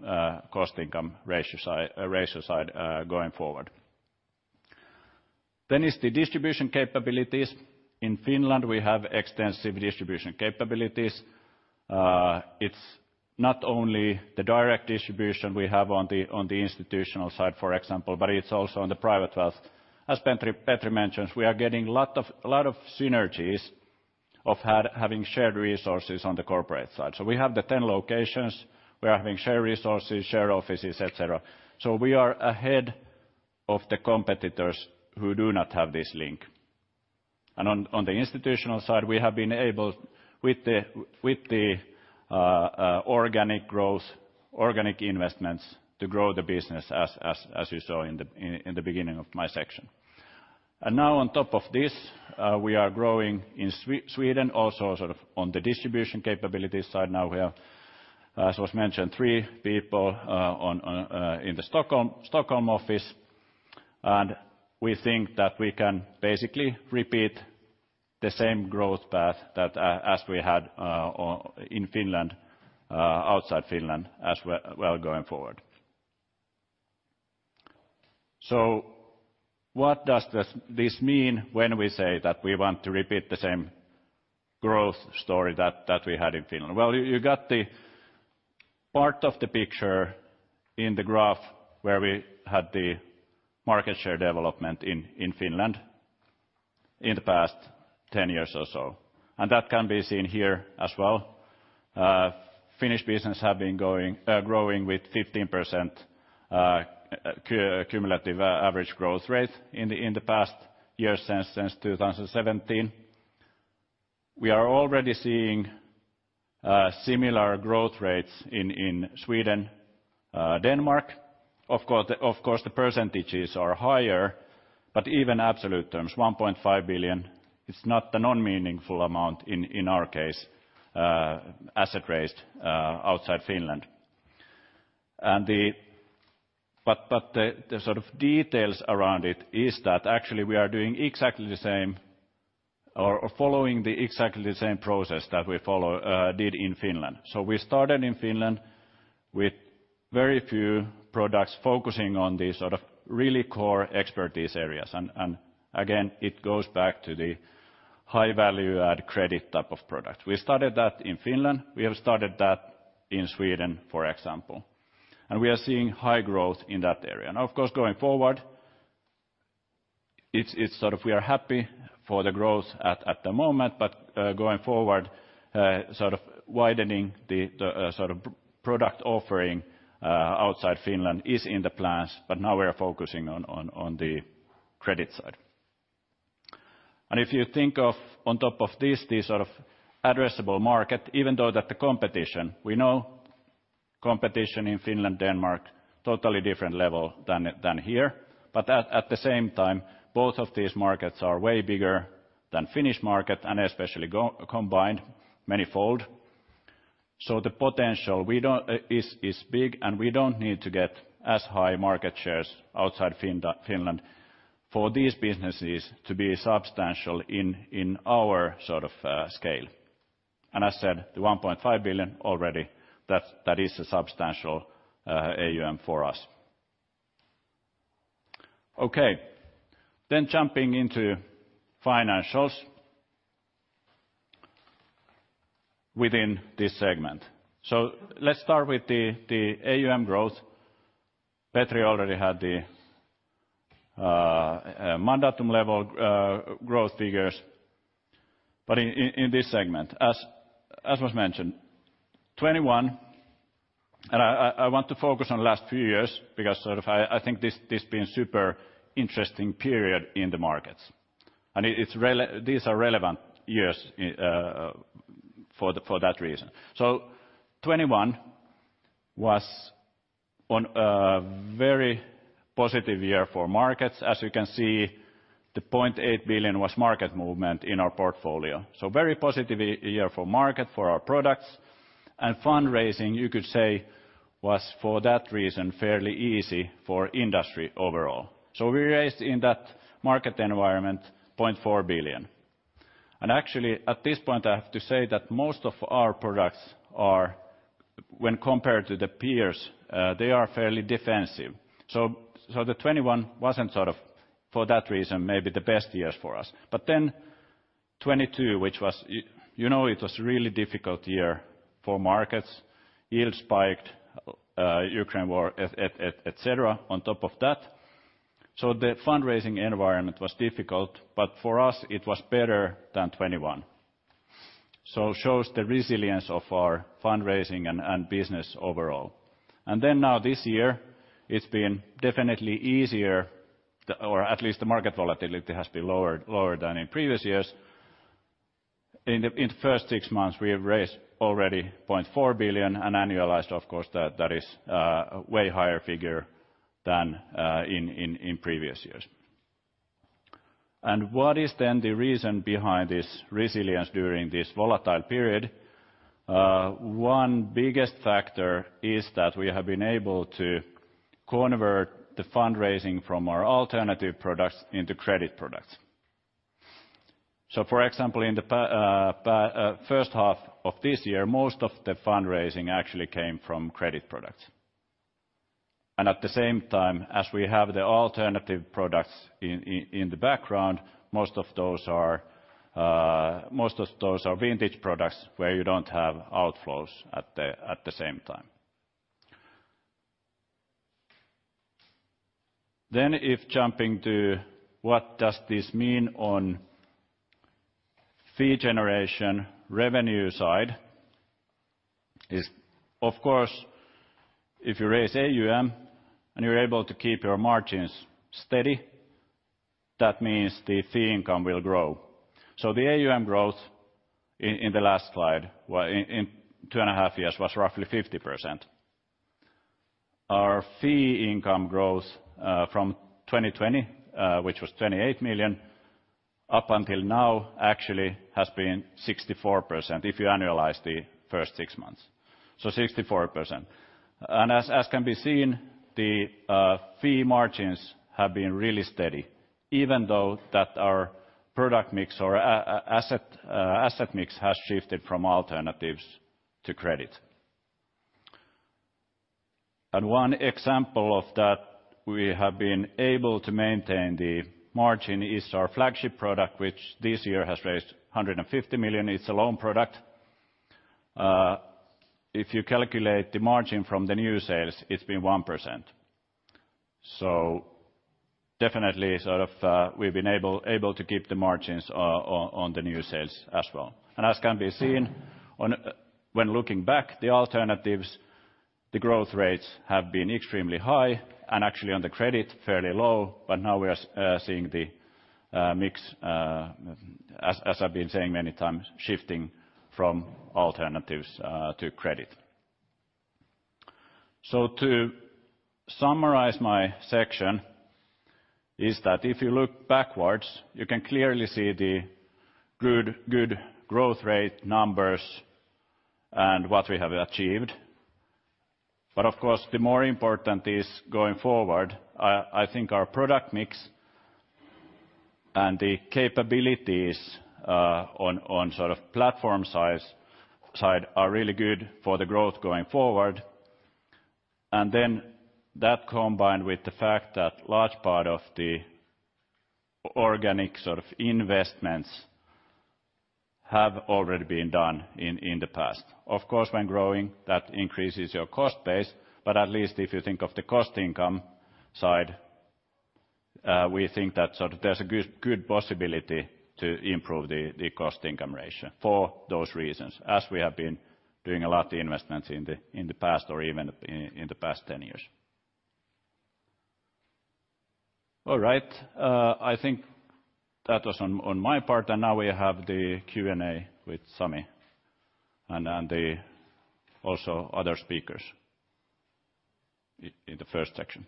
cost-income ratio side, going forward. Then is the distribution capabilities. In Finland, we have extensive distribution capabilities. It's not only the direct distribution we have on the institutional side, for example, but it's also on the private wealth. As Petri mentions, we are getting a lot of synergies of having shared resources on the corporate side. So we have the 10 locations, we are having shared resources, shared offices, et cetera. So we are ahead of the competitors who do not have this link. On the institutional side, we have been able, with the, with the, organic growth, organic investments, to grow the business as, as, as you saw in the, in, in the beginning of my section. And now on top of this, we are growing in Sweden also sort of on the distribution capability side. Now we have, as was mentioned, three people, on, in the Stockholm office, and we think that we can basically repeat the same growth path that, as we had, in Finland, outside Finland as well, well, going forward. So what does this, this mean when we say that we want to repeat the same growth story that, that we had in Finland? Well, you got the part of the picture in the graph where we had the market share development in Finland in the past 10 years or so, and that can be seen here as well. Finnish business have been growing with 15% cumulative average growth rate in the past years since 2017. We are already seeing similar growth rates in Sweden, Denmark. Of course, the percentages are higher, but even absolute terms, 1.5 billion is not the non-meaningful amount in our case, asset raised outside Finland. But the sort of details around it is that actually we are doing exactly the same or following exactly the same process that we did in Finland. So we started in Finland with very few products, focusing on the sort of really core expertise areas. And again, it goes back to the high value add credit type of product. We started that in Finland, we have started that in Sweden, for example, and we are seeing high growth in that area. Now, of course, going forward, it's sort of we are happy for the growth at the moment, but going forward, sort of widening the product offering outside Finland is in the plans, but now we are focusing on the credit side. And if you think of on top of this, this sort of addressable market, even though that the competition, we know competition in Finland, Denmark, totally different level than here. But at the same time, both of these markets are way bigger than Finnish market, and especially combined manifold. So the potential is big, and we don't need to get as high market shares outside Finland for these businesses to be substantial in our sort of scale. And I said, the 1.5 billion already, that is a substantial AUM for us. Okay, then jumping into financials within this segment. So let's start with the AUM growth. Petri already had the Mandatum-level growth figures, but in this segment, as was mentioned, 2021. And I want to focus on last few years because sort of I think this being super interesting period in the markets. And it's relevant—these are relevant years for that reason. So 2021 was a very positive year for markets. As you can see, the 0.8 billion was market movement in our portfolio. So very positive year for market, for our products, and fundraising, you could say, was, for that reason, fairly easy for industry overall. So we raised in that market environment 0.4 billion. And actually, at this point, I have to say that most of our products are, when compared to the peers, they are fairly defensive. So the 2021 wasn't sort of, for that reason, maybe the best years for us. But then 2022, which was, you know, it was really difficult year for markets, yield spiked, Ukraine war, et cetera, on top of that. So the fundraising environment was difficult, but for us, it was better than 2021. So shows the resilience of our fundraising and business overall. And then now this year, it's been definitely easier, or at least the market volatility has been lower, lower than in previous years. In the first six months, we have raised already 0.4 billion, and annualized, of course, that is way higher figure than in previous years. And what is then the reason behind this resilience during this volatile period? One biggest factor is that we have been able to convert the fundraising from our alternative products into credit products. So for example, in the first half of this year, most of the fundraising actually came from credit products. At the same time, as we have the alternative products in the background, most of those are vintage products, where you don't have outflows at the same time. Then, if jumping to what does this mean on the fee generation revenue side is, of course, if you raise AUM, and you're able to keep your margins steady, that means the fee income will grow. So the AUM growth in the last slide, well, in two and a half years, was roughly 50%. Our fee income growth from 2020, which was 28 million, up until now actually has been 64%, if you annualize the first six months, so 64%. And as can be seen, the fee margins have been really steady, even though that our product mix or asset mix has shifted from alternatives to credit. And one example of that we have been able to maintain the margin is our flagship product, which this year has raised 150 million. It's a loan product. If you calculate the margin from the new sales, it's been 1%. So definitely, sort of, we've been able to keep the margins on the new sales as well. And as can be seen, when looking back, the alternatives, the growth rates have been extremely high, and actually on the credit, fairly low, but now we are seeing the mix, as I've been saying many times, shifting from alternatives to credit. So to summarize my section is that if you look backwards, you can clearly see the good, good growth rate numbers and what we have achieved. But of course, the more important is going forward. I think our product mix and the capabilities on sort of platform size-side are really good for the growth going forward. And then that, combined with the fact that large part of the organic sort of investments have already been done in the past. Of course, when growing, that increases your cost base, but at least if you think of the cost income side, we think that sort of there's a good, good possibility to improve the cost income ratio for those reasons, as we have been doing a lot of investments in the past or even in the past ten years. All right. I think that was on my part, and now we have the Q&A with Sami and also the other speakers in the first section.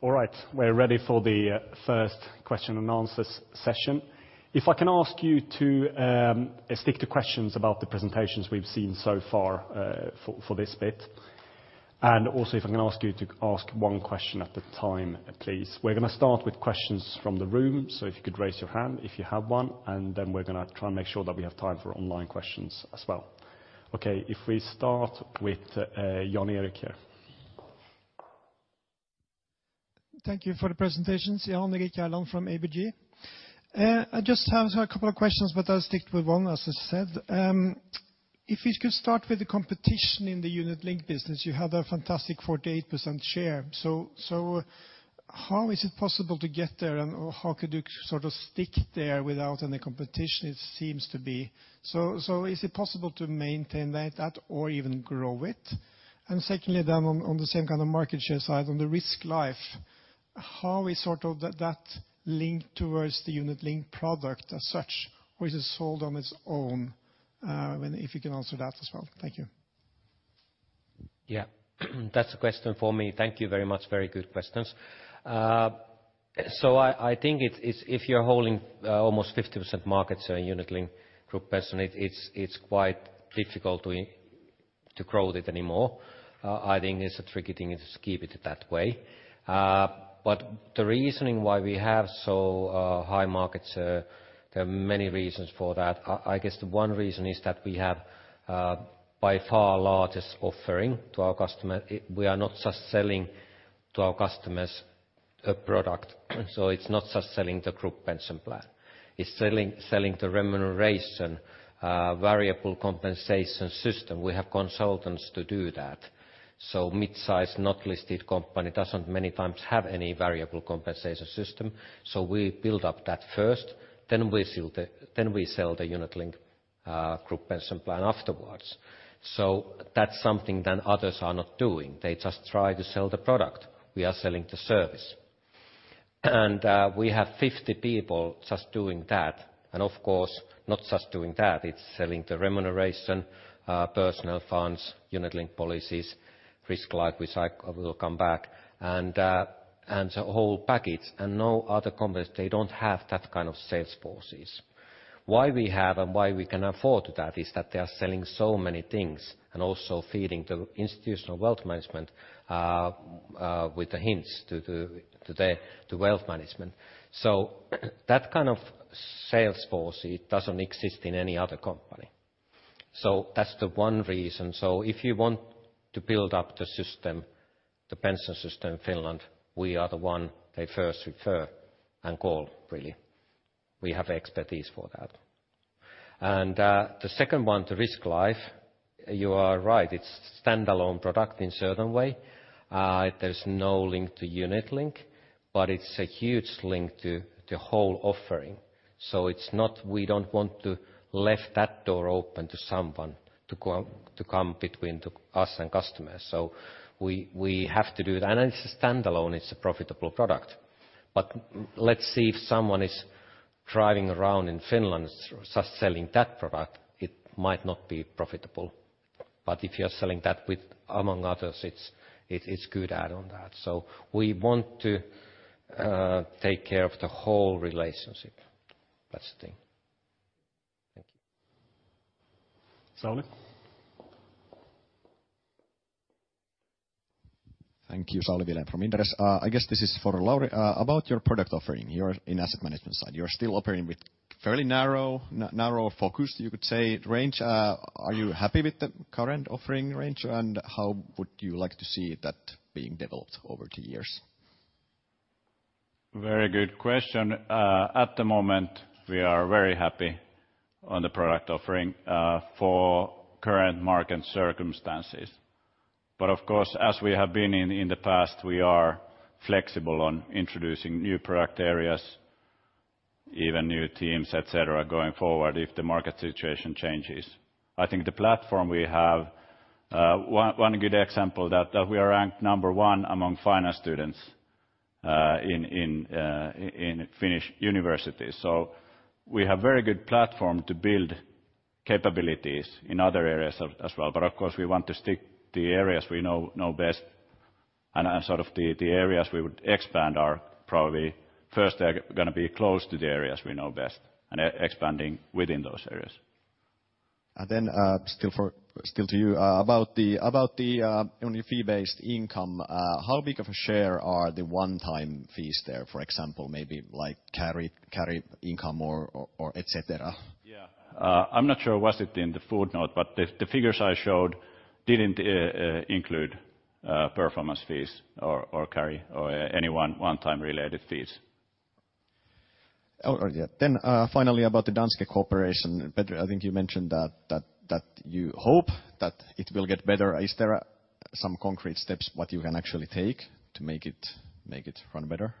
All right, we're ready for the first question and answers session. If I can ask you to stick to questions about the presentations we've seen so far, for this bit. And also, if I can ask you to ask one question at a time, please. We're gonna start with questions from the room, so if you could raise your hand, if you have one, and then we're gonna try and make sure that we have time for online questions as well. Okay, if we start with Jan Erik here. Thank you for the presentations, Jan Erik Gjerland from ABG. I just have a couple of questions, but I'll stick with one, as I said. If we could start with the competition in the unit-linked business, you have a fantastic 48% share. So, so how is it possible to get there, and/or how could you sort of stick there without any competition? It seems to be... So, so is it possible to maintain that, that or even grow it? And secondly, then on, on the same kind of market share side, on the risk life, how is sort of that linked towards the unit-linked product as such, or is it sold on its own? And if you can answer that as well. Thank you. Yeah. That's a question for me. Thank you very much. Very good questions. So I think it's if you're holding almost 50% market share in unit-linked group pension, it's quite difficult to grow it anymore. I think it's a tricky thing to just keep it that way. But the reasoning why we have so high market share, there are many reasons for that. I guess the one reason is that we have by far largest offering to our customer. We are not just selling to our customers a product, so it's not just selling the group pension plan. It's selling the remuneration variable compensation system. We have consultants to do that. So mid-size, not listed company, doesn't many times have any variable compensation system, so we build up that first, then we sell the unit link group pension plan afterwards. So that's something that others are not doing. They just try to sell the product. We are selling the service. And we have 50 people just doing that, and of course, not just doing that, it's selling the remuneration, personal funds, unit-linked policies, risk life, which I will come back and the whole package, and no other companies, they don't have that kind of sales forces. Why we have and why we can afford that, is that they are selling so many things and also feeding the institutional wealth management with the hints to the wealth management. That kind of sales force, it doesn't exist in any other company.... So that's the one reason. So if you want to build up the system, the pension system in Finland, we are the one they first refer and call, really. We have expertise for that. And, the second one, the risk life, you are right, it's standalone product in certain way. There's no link to unit link, but it's a huge link to the whole offering. So it's not we don't want to leave that door open to someone to go-- to come between to us and customers. So we, we have to do it. And as a standalone, it's a profitable product. But let's see, if someone is driving around in Finland just selling that product, it might not be profitable. But if you are selling that with, among others, it's, it's good add on that. So we want to, take care of the whole relationship. That's the thing. Thank you. Sami? Thank you. Sami Viljanen from Inderes. I guess this is for Lauri. About your product offering, your in asset management side, you're still operating with fairly narrow, narrow focus, you could say, range. Are you happy with the current offering range, and how would you like to see that being developed over the years? Very good question. At the moment, we are very happy on the product offering for current market circumstances. But of course, as we have been in the past, we are flexible on introducing new product areas, even new teams, et cetera, going forward if the market situation changes. I think the platform we have. One good example that we are ranked number one among finance students in Finnish universities. So we have very good platform to build capabilities in other areas as well. But of course, we want to stick the areas we know best, and sort of the areas we would expand are probably first, they're gonna be close to the areas we know best and expanding within those areas. And then, still to you. About the only fee-based income, how big of a share are the one-time fees there, for example, maybe like carry income or et cetera? Yeah. I'm not sure was it in the footnote, but the figures I showed didn't include performance fees or carry or any one-time related fees. Oh, yeah. Then, finally, about the Danske cooperation, Petri, I think you mentioned that you hope that it will get better. Is there some concrete steps what you can actually take to make it run better?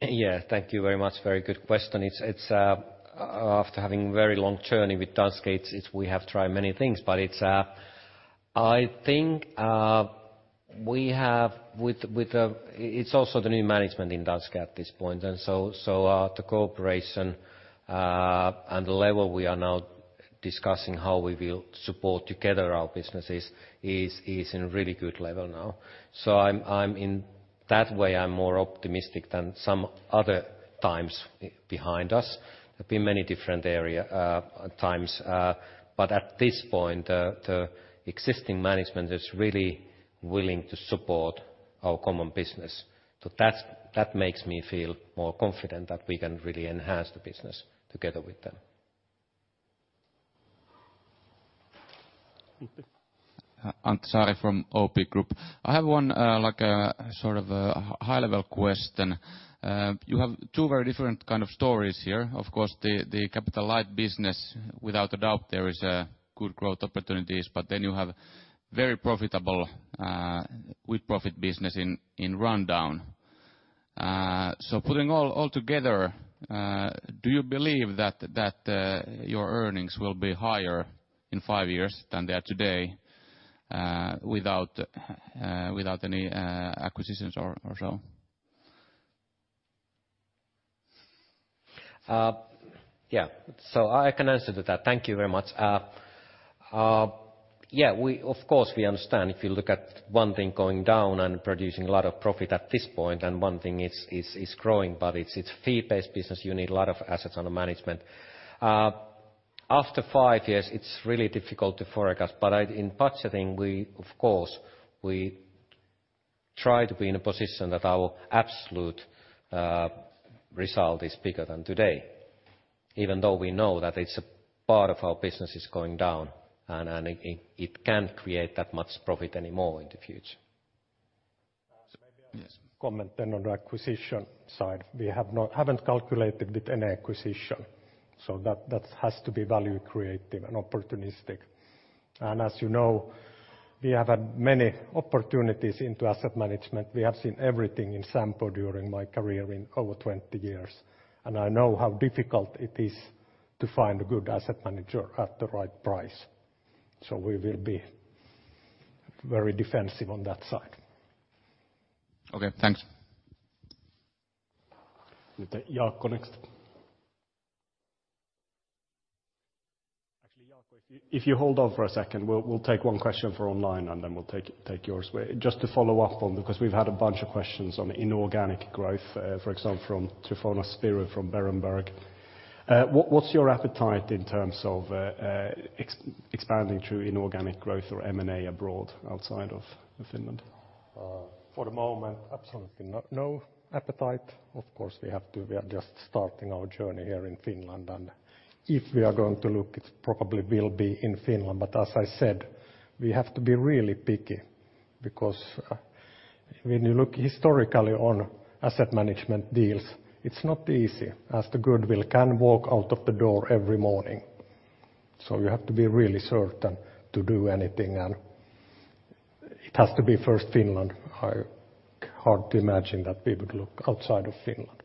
Yeah, thank you very much. Very good question. It's after having a very long journey with Danske. We have tried many things, but it's... I think we have with—it's also the new management in Danske at this point. And so, the cooperation and the level we are now discussing how we will support together our businesses is in a really good level now. So I'm— That way, I'm more optimistic than some other times behind us in many different area, times. But at this point, the existing management is really willing to support our common business. So that makes me feel more confident that we can really enhance the business together with them. Mm-hmm. Antti Saari from OP Group. I have one, like a sort of a high-level question. You have two very different kind of stories here. Of course, the Capital Light business, without a doubt, there is good growth opportunities, but then you have very profitable, with profit business in rundown. So putting all together, do you believe that your earnings will be higher in five years than they are today, without any acquisitions or so? Yeah. So I can answer to that. Thank you very much. Yeah, we of course understand if you look at one thing going down and producing a lot of profit at this point, and one thing is growing, but it's fee-based business, you need a lot of assets under management. After five years, it's really difficult to forecast, but in budgeting, we of course try to be in a position that our absolute result is bigger than today, even though we know that it's a part of our business is going down and it can't create that much profit anymore in the future. Uh, maybe- Yes. I comment then on the acquisition side. We haven't calculated with any acquisition, so that, that has to be value creative and opportunistic. And as you know, we have had many opportunities into asset management. We have seen everything in Sampo during my career in over 20 years, and I know how difficult it is to find a good asset manager at the right price. So we will be very defensive on that side. Okay, thanks. Jaakko, next. Actually, Jaakko, if you hold on for a second, we'll take one question for online, and then we'll take yours. Just to follow up on, because we've had a bunch of questions on inorganic growth, for example, from Tryfonas Spyrou from Berenberg. What's your appetite in terms of expanding through inorganic growth or M&A abroad, outside of Finland?... for the moment, absolutely no appetite. Of course, we are just starting our journey here in Finland, and if we are going to look, it probably will be in Finland. But as I said, we have to be really picky, because when you look historically on asset management deals, it's not easy, as the goodwill can walk out of the door every morning. So you have to be really certain to do anything, and it has to be first Finland. Hard to imagine that we would look outside of Finland.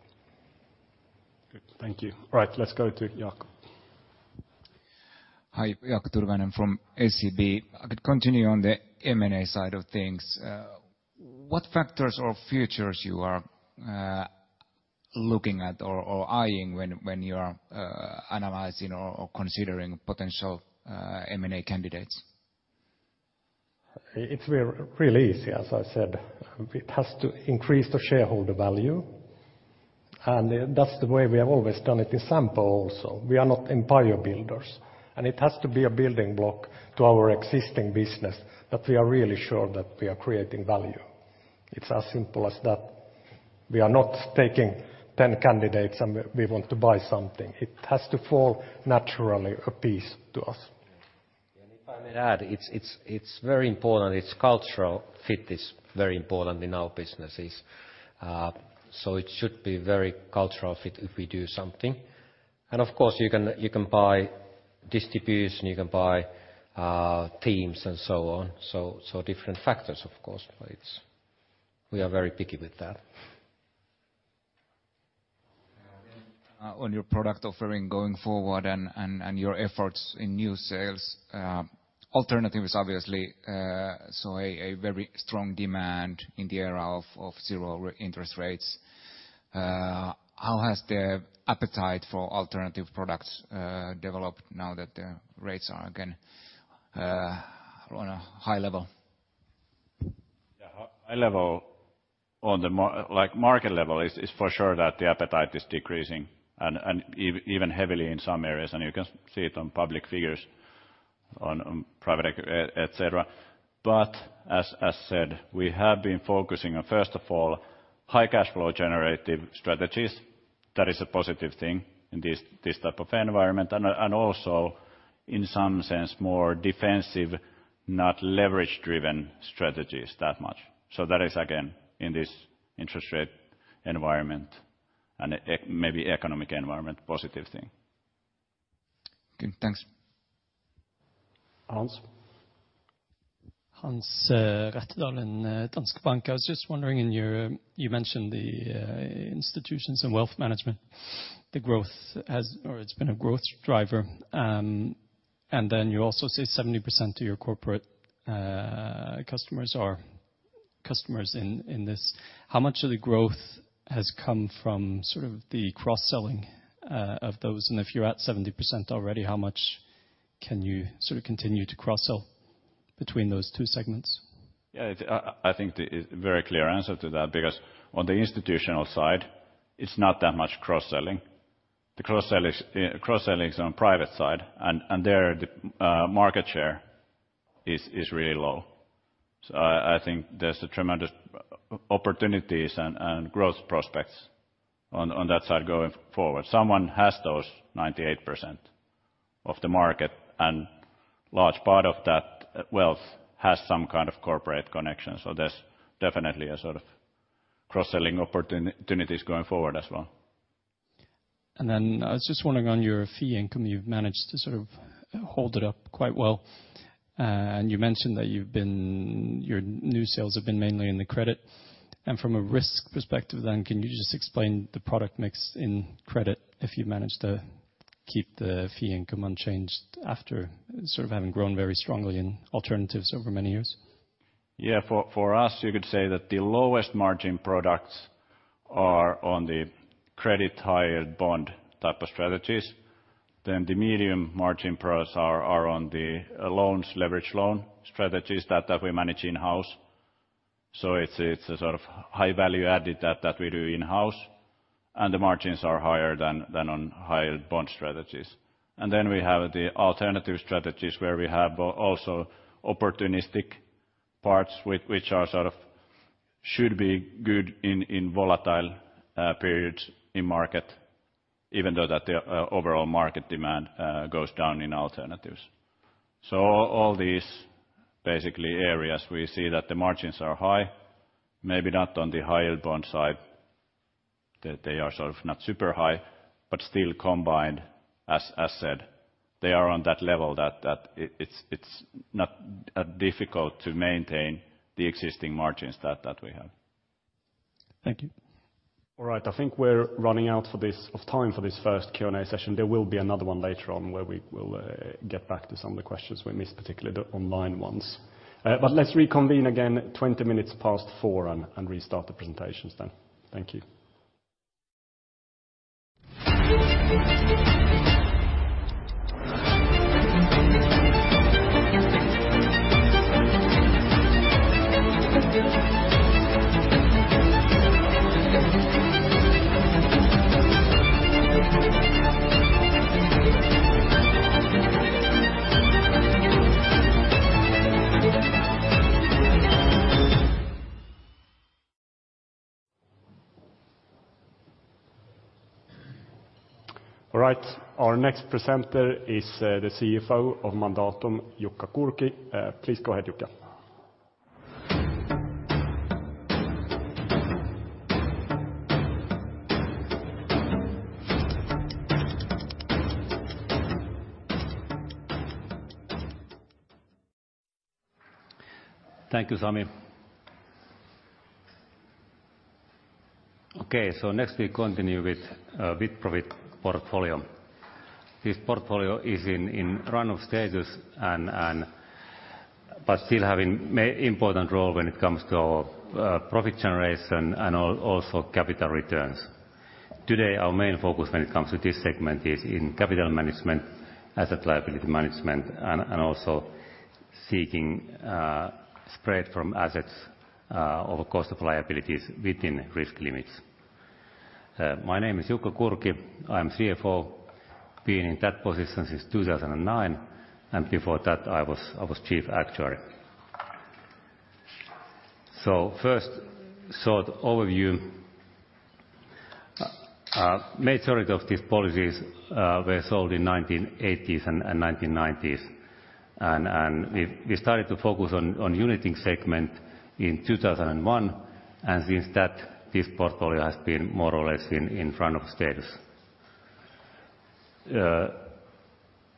Good. Thank you. Right, let's go to Jaakko. Hi. Jaakko Kosunen from SEB. I could continue on the M&A side of things. What factors or features you are looking at or eyeing when you are analyzing or considering potential M&A candidates? It's really easy, as I said, it has to increase the shareholder value, and that's the way we have always done it in Sampo also. We are not empire builders, and it has to be a building block to our existing business that we are really sure that we are creating value. It's as simple as that. We are not taking 10 candidates, and we want to buy something. It has to fall naturally, a piece to us. And if I may add, it's very important. Its cultural fit is very important in our businesses. So it should be very cultural fit if we do something. And of course, you can buy distribution, you can buy teams, and so on. So different factors, of course, but it's... We are very picky with that. On your product offering going forward and your efforts in new sales, alternatives obviously saw a very strong demand in the era of zero interest rates. How has the appetite for alternative products developed now that the rates are again on a high level? Yeah, high level on the market level is for sure that the appetite is decreasing and even heavily in some areas, and you can see it on public figures, on private equity, et cetera. But as said, we have been focusing on, first of all, high cash flow generative strategies. That is a positive thing in this type of environment, and also in some sense, more defensive, not leverage-driven strategies that much. So that is again, in this interest rate environment and maybe economic environment, positive thing. Okay, thanks. Hans? Hans Rettedal in Danske Bank. I was just wondering, in your. You mentioned the institutions and wealth management, the growth has or it's been a growth driver. And then you also say 70% of your corporate customers are customers in this. How much of the growth has come from sort of the cross-selling of those? And if you're at 70% already, how much can you sort of continue to cross-sell between those two segments? Yeah, I think the very clear answer to that, because on the institutional side, it's not that much cross-selling. The cross-sell is cross-selling on private side, and there, the market share is really low. So I think there's tremendous opportunities and growth prospects on that side going forward. Someone has those 98% of the market, and large part of that wealth has some kind of corporate connection, so there's definitely a sort of cross-selling opportunity, opportunities going forward as well. I was just wondering, on your fee income, you've managed to sort of hold it up quite well. And you mentioned that your new sales have been mainly in the credit. And from a risk perspective then, can you just explain the product mix in credit if you manage to keep the fee income unchanged after sort of having grown very strongly in alternatives over many years? Yeah. For us, you could say that the lowest margin products are on the credit-High Yield bond type of strategies. Then the medium margin products are on the loans, leverage loan strategies that we manage in-house. So it's a sort of high value added that we do in-house, and the margins are higher than on High Yield bond strategies. And then we have the alternative strategies where we have both also opportunistic parts which are sort of should be good in volatile periods in market, even though that the overall market demand goes down in alternatives. So all these basically areas, we see that the margins are high, maybe not on the High Yield bond side. They are sort of not super high, but still combined, as I said, they are on that level that it's not difficult to maintain the existing margins that we have. Thank you. All right, I think we're running out of time for this first Q&A session. There will be another one later on where we will get back to some of the questions we missed, particularly the online ones. But let's reconvene again 4:20 P.M. and restart the presentations then. Thank you. All right, our next presenter is the CFO of Mandatum, Jukka Kurki. Please go ahead, Jukka. Thank you, Sami. Okay, so next we continue with With-Profit portfolio. This portfolio is in run-off stages and but still having important role when it comes to profit generation and also capital returns. Today, our main focus when it comes to this segment is in capital management, asset liability management, and also seeking spread from assets over cost of liabilities within risk limits. My name is Jukka Kurki. I'm CFO, been in that position since 2009, and before that I was chief actuary. So first short overview. Majority of these policies were sold in 1980s and 1990s, and we started to focus on unit-linked segment in 2001, and since that, this portfolio has been more or less in run-off status.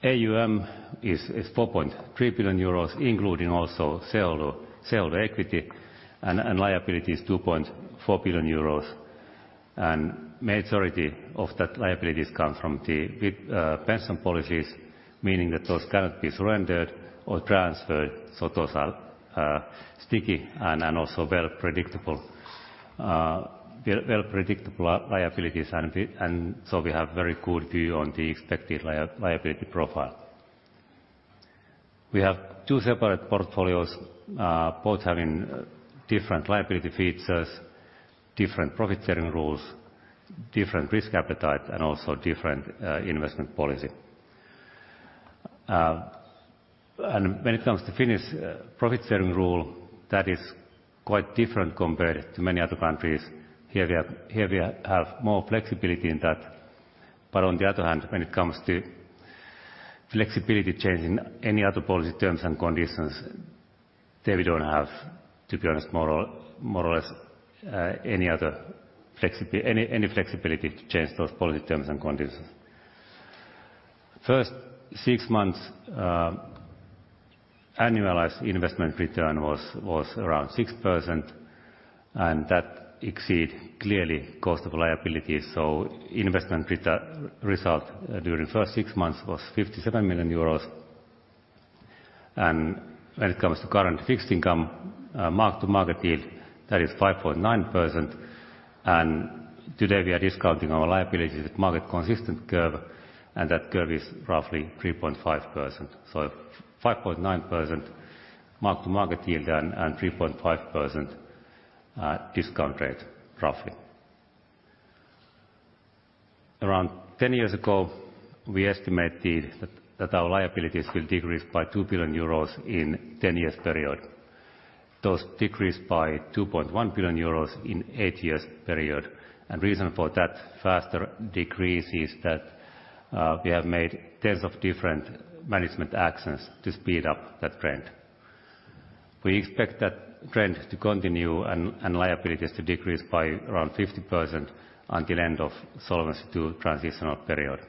AUM is 4.3 billion euros, including also sale to equity, and liability is 2.4 billion euros. Majority of that liabilities come from the with-profit pension policies, meaning that those cannot be surrendered or transferred, so those are sticky and also well predictable liabilities, and so we have very good view on the expected liability profile. We have two separate portfolios, both having different liability features, different profit-sharing rules, different risk appetite, and also different investment policy. And when it comes to Finnish profit-sharing rule, that is quite different compared to many other countries. Here we are, here we have more flexibility in that, but on the other hand, when it comes to flexibility change in any other policy terms and conditions, there we don't have, to be honest, more or less any other any flexibility to change those policy terms and conditions. First six months, annualized investment return was around 6%, and that exceed clearly cost of liabilities, so investment result during the first six months was 57 million euros. And when it comes to current fixed income, mark-to-market yield, that is 5.9%, and today we are discounting our liabilities with market-consistent curve, and that curve is roughly 3.5%. So 5.9% mark-to-market yield and 3.5% discount rate, roughly. Around 10 years ago, we estimated that our liabilities will decrease by 2 billion euros in 10 years period. Those decreased by 2.1 billion euros in eight years period, and reason for that faster decrease is that we have made tens of different management actions to speed up that trend. We expect that trend to continue and liabilities to decrease by around 50% until end of Solvency II transitional period.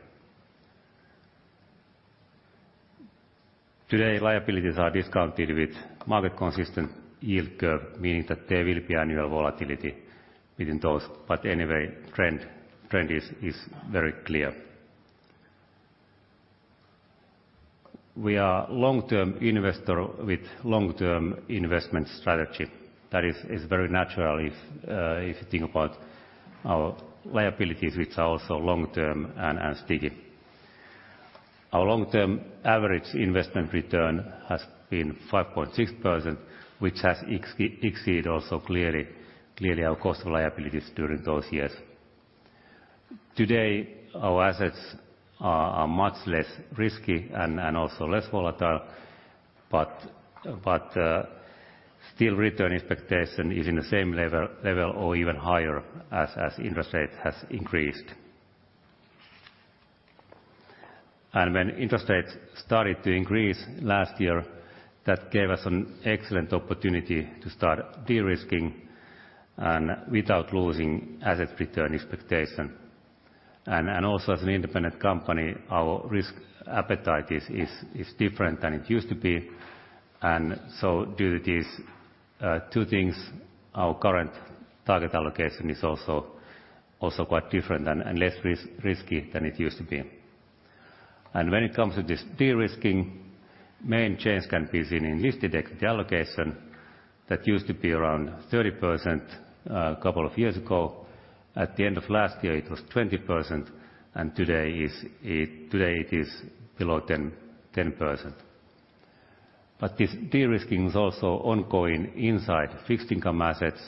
Today, liabilities are discounted with market-consistent yield curve, meaning that there will be annual volatility between those, but anyway, trend is very clear. We are long-term investor with long-term investment strategy. That is very natural if you think about our liabilities, which are also long-term and sticky. Our long-term average investment return has been 5.6%, which has exceeded also clearly our cost of liabilities during those years. Today, our assets are much less risky and also less volatile, but still return expectation is in the same level or even higher as interest rate has increased. And when interest rates started to increase last year, that gave us an excellent opportunity to start de-risking, and without losing asset return expectation. And also as an independent company, our risk appetite is different than it used to be. And so due to these two things, our current target allocation is also quite different and less risky than it used to be. When it comes to this de-risking, main change can be seen in listed equity allocation that used to be around 30%, couple of years ago. At the end of last year, it was 20%, and today it is below 10%. But this de-risking is also ongoing inside fixed income assets.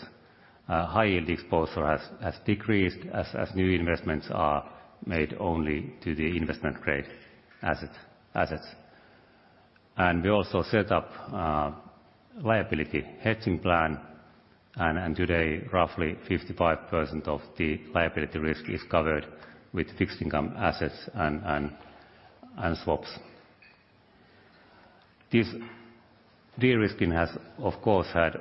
High yield exposure has decreased as new investments are made only to the investment-grade assets. And we also set up liability hedging plan, and today, roughly 55% of the liability risk is covered with fixed income assets and swaps. This de-risking has, of course, had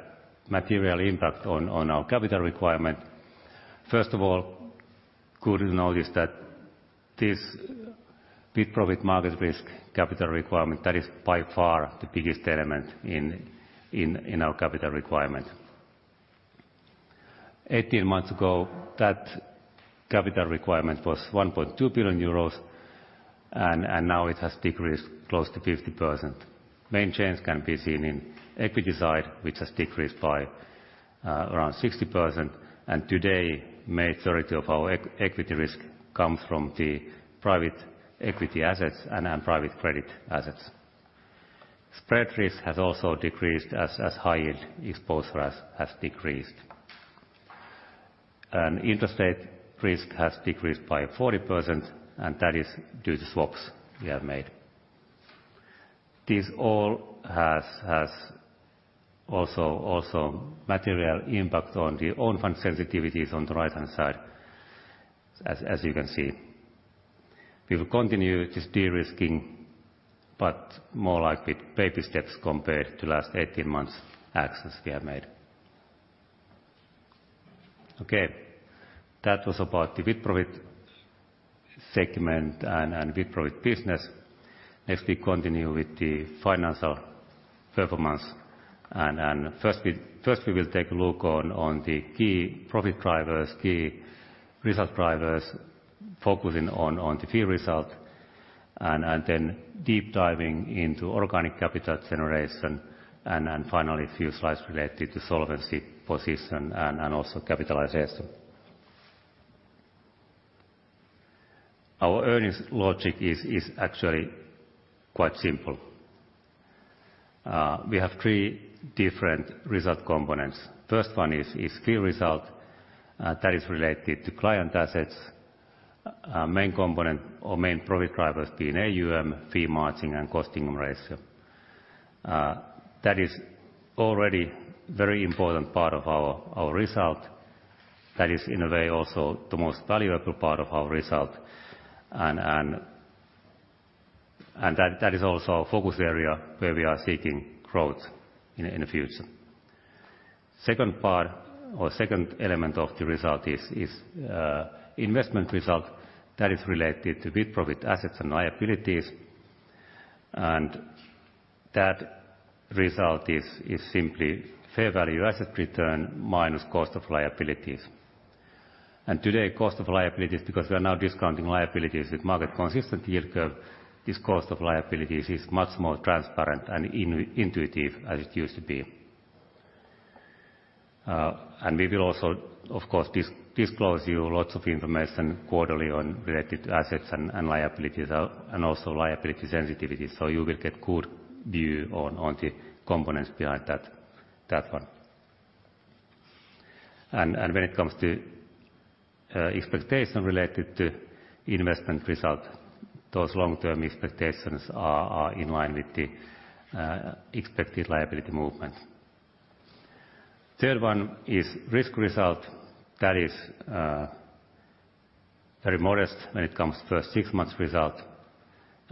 material impact on our capital requirement. First of all, good to notice that this with-profit market risk capital requirement, that is by far the biggest element in our capital requirement. Eighteen months ago, that capital requirement was 1.2 billion euros, and now it has decreased close to 50%. Main change can be seen in equity side, which has decreased by around 60%, and today, majority of our equity risk comes from the private equity assets and private credit assets. Spread risk has also decreased as high-yield exposure has decreased. And interest rate risk has decreased by 40%, and that is due to swaps we have made. This all has also material impact on the own fund sensitivities on the right-hand side, as you can see. We will continue this de-risking, but more like with baby steps compared to last eighteen months actions we have made. Okay, that was about the With-Profit segment and With-Profit business. Next, we continue with the financial performance, and first we will take a look on the key profit drivers, key result drivers, focusing on the fee result, and then deep diving into organic capital generation, and finally, a few slides related to solvency position and also capitalization. Our earnings logic is actually quite simple. We have three different result components. First one is fee result, that is related to client assets, main component or main profit drivers being AUM, fee margin, and cost-income ratio. That is already very important part of our result. That is, in a way, also the most valuable part of our result, and that is also a focus area where we are seeking growth in the future. Second part or second element of the result is investment result that is related to With-profit assets and liabilities, and that result is simply fair value asset return minus cost of liabilities. And today, cost of liabilities, because we are now discounting liabilities with market-consistent yield curve, this cost of liabilities is much more transparent and intuitive as it used to be. And we will also, of course, disclose to you lots of information quarterly on related assets and liabilities, and also liability sensitivities, so you will get good view on the components behind that one. And when it comes to expectation related to investment result, those long-term expectations are in line with the expected liability movement. Third one is risk result. That is very modest when it comes to our six-month result.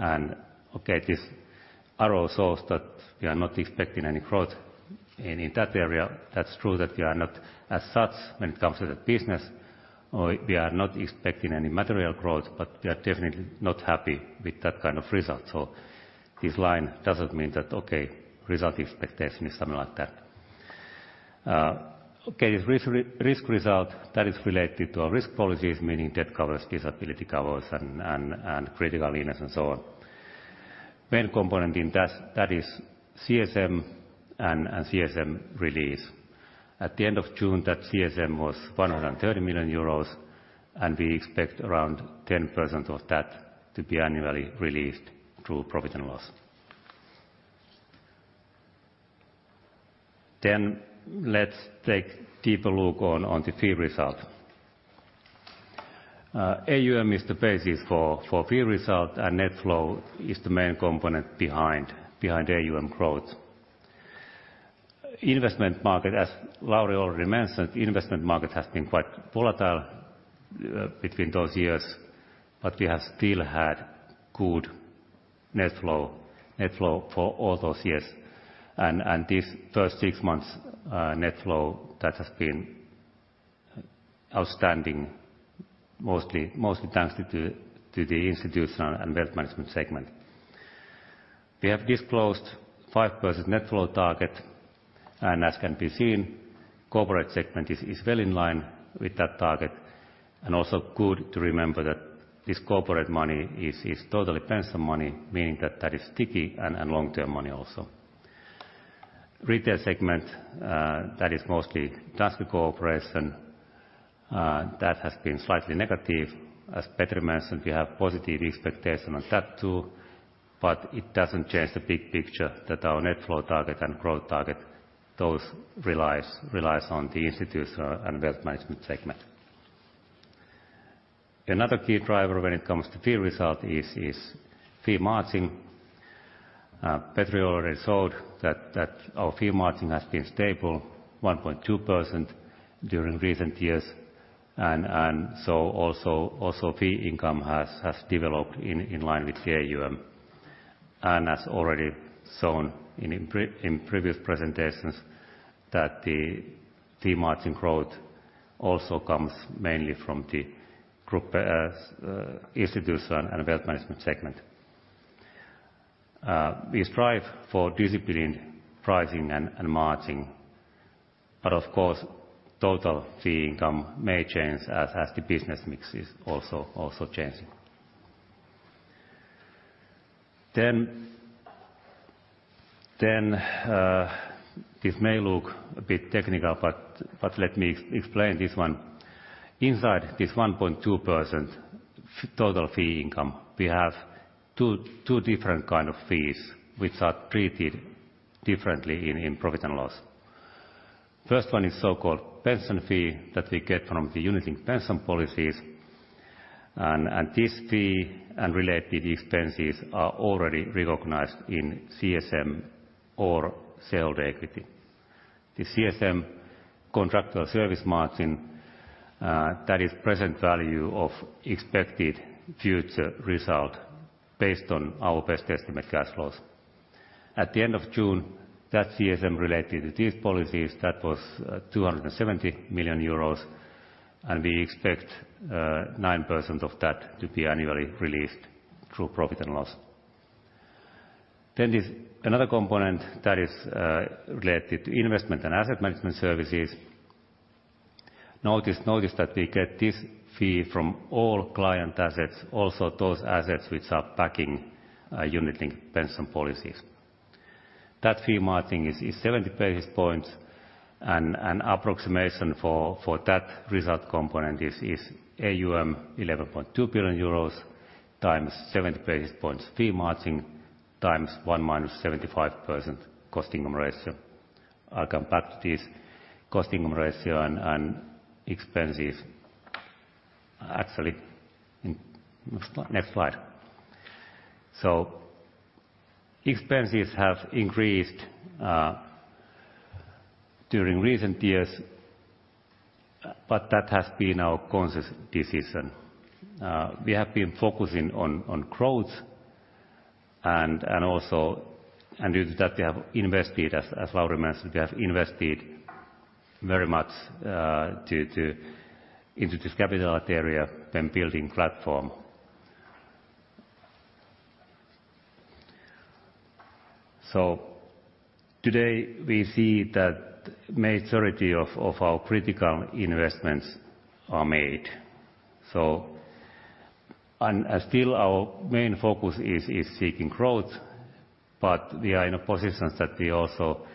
Okay, this arrow shows that we are not expecting any growth in that area. That's true that we are not, as such, when it comes to the business, or we are not expecting any material growth, but we are definitely not happy with that kind of result. So this line doesn't mean that, okay, result expectation is something like that. Okay, risk result, that is related to our risk policies, meaning death covers, disability covers, and critical illness, and so on. Main component in that is CSM and CSM release. At the end of June, that CSM was 130 million euros, and we expect around 10% of that to be annually released through profit and loss. Let's take deeper look on the fee result. AUM is the basis for fee result, and net flow is the main component behind AUM growth. Investment market, as Lauri already mentioned, investment market has been quite volatile between those years, but we have still had good net flow for all those years. And this first six months, net flow that has been outstanding, mostly thanks to the institutional and wealth management segment. We have disclosed 5% net flow target, and as can be seen, corporate segment is well in line with that target, and also good to remember that this corporate money is totally pension money, meaning that is sticky and long-term money also. Retail segment, that is mostly Danske cooperation, that has been slightly negative. As Petri mentioned, we have positive expectation on that too, but it doesn't change the big picture that our net flow target and growth target, those relies on the Institutional and Wealth Management segment. Another key driver when it comes to fee result is fee margin. Petri already showed that our fee margin has been stable 1.2% during recent years, and so also fee income has developed in line with the AUM. And as already shown in previous presentations, that the fee margin growth also comes mainly from the group Institutional and Wealth Management segment. We strive for disciplined pricing and margin, but of course, total fee income may change as the business mix is also changing. Then, this may look a bit technical, but let me explain this one. Inside this 1.2% total fee income, we have two different kind of fees, which are treated differently in profit and loss. First one is so-called pension fee that we get from the unit-linked pension policies, and this fee and related expenses are already recognized in CSM or own equity. The CSM, contractual service margin, that is present value of expected future result based on our best estimate cash flows. At the end of June, that CSM related to these policies, that was 270 million euros, and we expect 9% of that to be annually released through profit and loss. Then this another component that is related to investment and asset management services. Notice that we get this fee from all client assets, also those assets which are backing unit-linked pension policies. That fee margin is 70 basis points, and approximation for that result component is AUM 11.2 billion euros times 70 basis points fee margin times one minus 75% costing ratio. I'll come back to this costing ratio and expenses, actually, in next slide. So expenses have increased during recent years, but that has been our conscious decision. We have been focusing on growth, and also and due to that, we have invested, as Lauri mentioned, we have invested very much into this capitalized area when building platform. So today, we see that majority of our critical investments are made. So... Still our main focus is seeking growth, but we are in a position that we also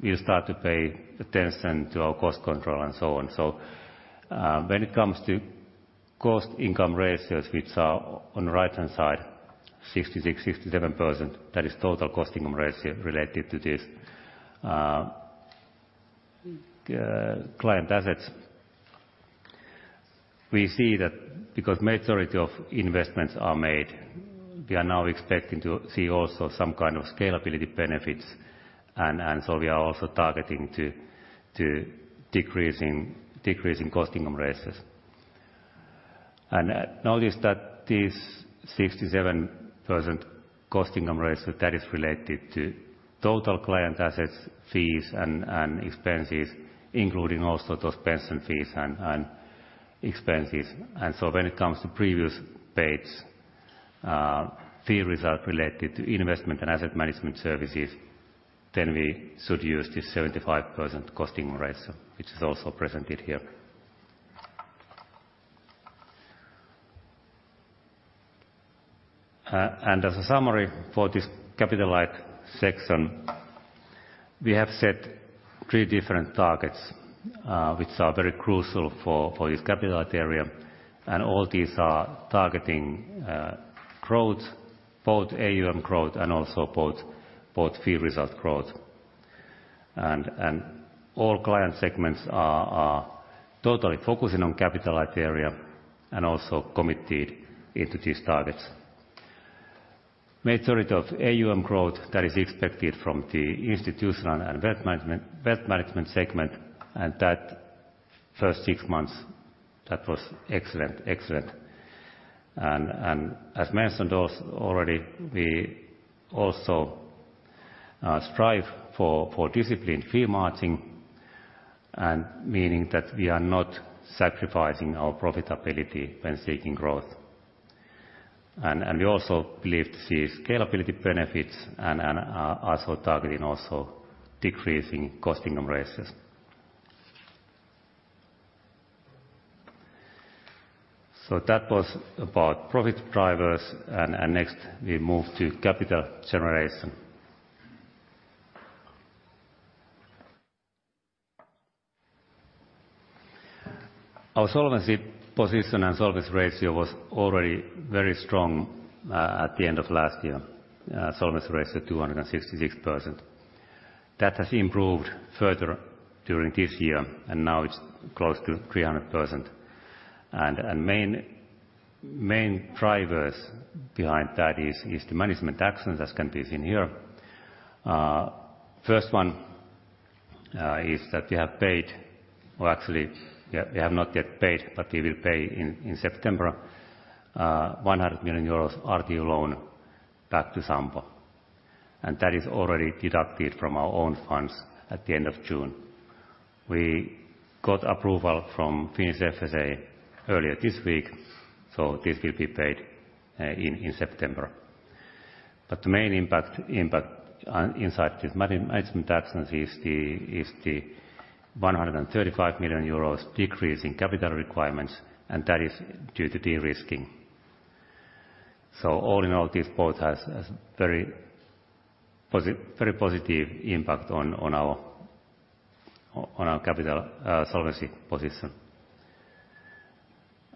will start to pay attention to our cost control and so on. So when it comes to cost income ratios, which are on the right-hand side, 66%-67%, that is total costing ratio related to this client assets. We see that because majority of investments are made, we are now expecting to see also some kind of scalability benefits, and so we are also targeting to decreasing costing ratios. Notice that this 67% costing ratio that is related to total client assets, fees, and expenses, including also those pension fees and expenses. So when it comes to previous page, fee result related to investment and asset management services, then we should use this 75% costing ratio, which is also presented here. And as a summary for this capital light section, we have set 3 different targets, which are very crucial for this capital light area, and all these are targeting growth, both AUM growth and also both fee result growth. And all client segments are totally focusing on capital light area, and also committed into these targets. Majority of AUM growth that is expected from the institutional and wealth management, wealth management segment, and that first 6 months, that was excellent. And as mentioned already, we also strive for disciplined fee margin, and meaning that we are not sacrificing our profitability when seeking growth. We also believe to see scalability benefits and also targeting also decreasing costing ratios... So that was about profit drivers, and next we move to capital generation. Our solvency position and solvency ratio was already very strong at the end of last year. Solvency ratio 266%. That has improved further during this year, and now it's close to 300%. Main drivers behind that is the management action, as can be seen here. First one is that we have paid, or actually, we have not yet paid, but we will pay in September 100 million euros RT1 loan back to Sampo. And that is already deducted from our own funds at the end of June. We got approval from Finnish FSA earlier this week, so this will be paid in September. But the main impact on these asset management actions is the 135 million euros decrease in capital requirements, and that is due to de-risking. So all in all, this both has a very positive impact on our capital solvency position.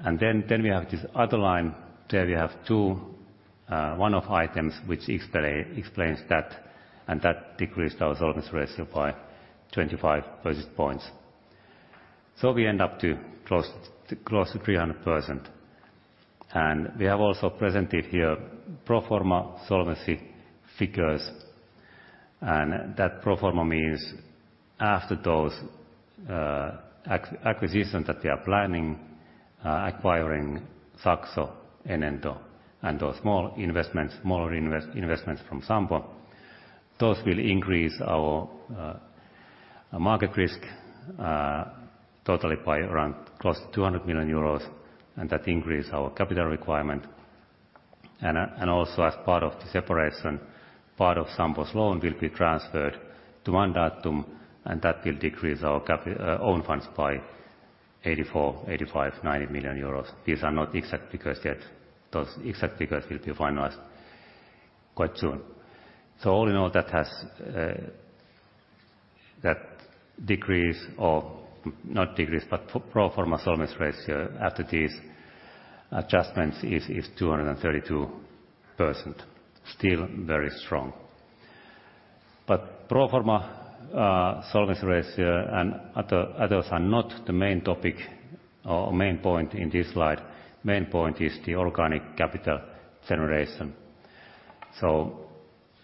Then we have this other line. There we have two one-off items, which explain that, and that decreased our solvency ratio by 25 percentage points. So we end up close to 300%. And we have also presented here pro forma solvency figures, and that pro forma means after those acquisitions that we are planning, acquiring Saxo and Enento, and those small investments, smaller investments from Sampo, those will increase our market risk totally by around close to 200 million euros, and that increase our capital requirement. And also as part of the separation, part of Sampo's loan will be transferred to Mandatum, and that will decrease our own funds by 84, 85, 90 million euros. These are not exact figures yet. Those exact figures will be finalized quite soon. So all in all, that decrease or not decrease, but pro forma solvency ratio after these adjustments is 232%. Still very strong. But pro forma, solvency ratio and others are not the main topic or main point in this slide. Main point is the organic capital generation. So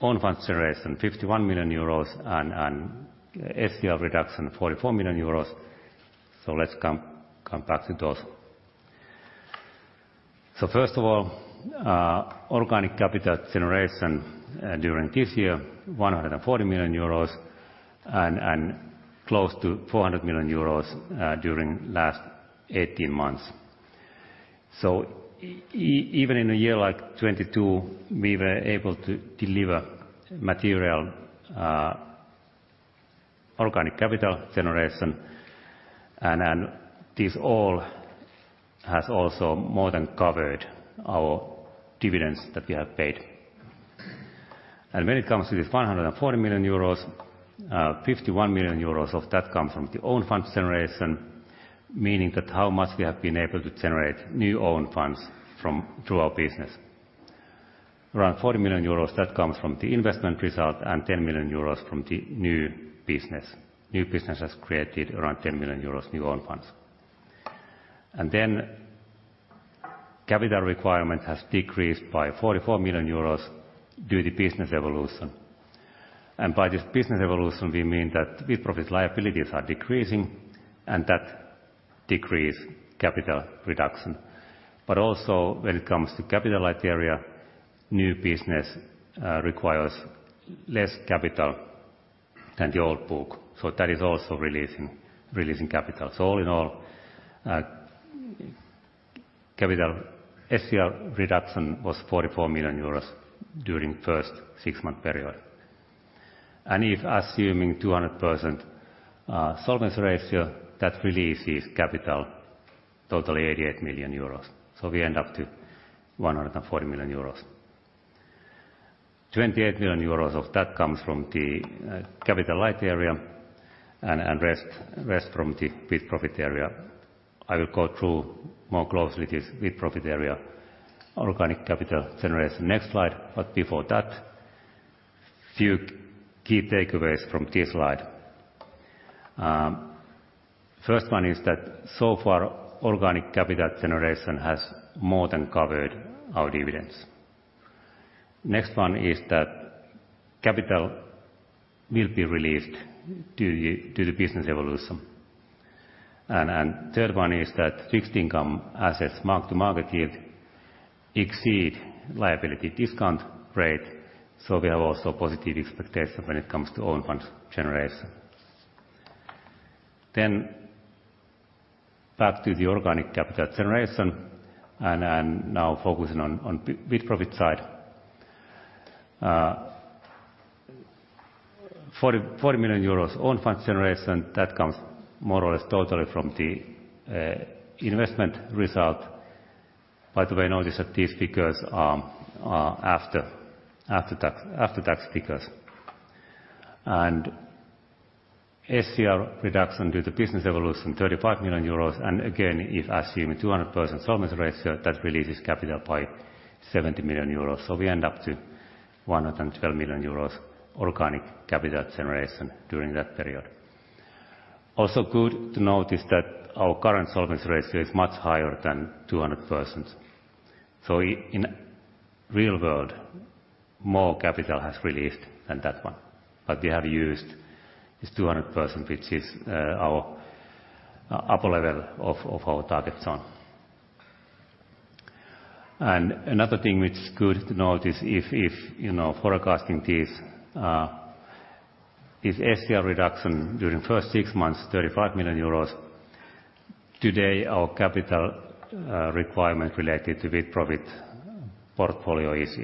own funds generation, 51 million euros and SCR reduction, 44 million euros. So let's come back to those. So first of all, organic capital generation during this year, 140 million euros, and close to 400 million euros during last 18 months. So even in a year like 2022, we were able to deliver material organic capital generation, and this all has also more than covered our dividends that we have paid. When it comes to this 140 million euros, 51 million euros of that comes from the own funds generation, meaning that how much we have been able to generate new own funds from through our business. Around 40 million euros, that comes from the investment result and 10 million euros from the new business. New business has created around 10 million euros new own funds. And then capital requirement has decreased by 44 million euros due to business evolution. And by this business evolution, we mean that with profit liabilities are decreasing, and that decrease capital reduction. But also, when it comes to capital criteria, new business requires less capital than the old book, so that is also releasing capital. So all in all, capital SCR reduction was 44 million euros during first six-month period. If assuming 200% solvency ratio, that releases capital totally 88 million euros, so we end up to 140 million euros. 28 million euros of that comes from the capital-light area, and rest from the with-profit area. I will go through more closely this with-profit area, organic capital generation, next slide. But before that, few key takeaways from this slide. First one is that so far, organic capital generation has more than covered our dividends. Next one is that capital will be released due to the business evolution. And third one is that fixed income assets mark-to-market yield exceed liability discount rate, so we have also positive expectation when it comes to own funds generation. Then back to the organic capital generation, and now focusing on with-profit side. 40 million euros own fund generation, that comes more or less totally from the investment result. By the way, notice that these figures are after tax figures. And SCR reduction due to business evolution, 35 million euros, and again, if assuming 200% solvency ratio, that releases capital by 70 million euros. So we end up to 112 million euros organic capital generation during that period. Also good to notice that our current solvency ratio is much higher than 200%. So in real world, more capital has released than that one, but we have used this 200%, which is our upper level of our target zone. Another thing which is good to notice, if you know, forecasting this, if SCR reduction during first six months, 35 million euros, today, our capital requirement related to with-profit portfolio is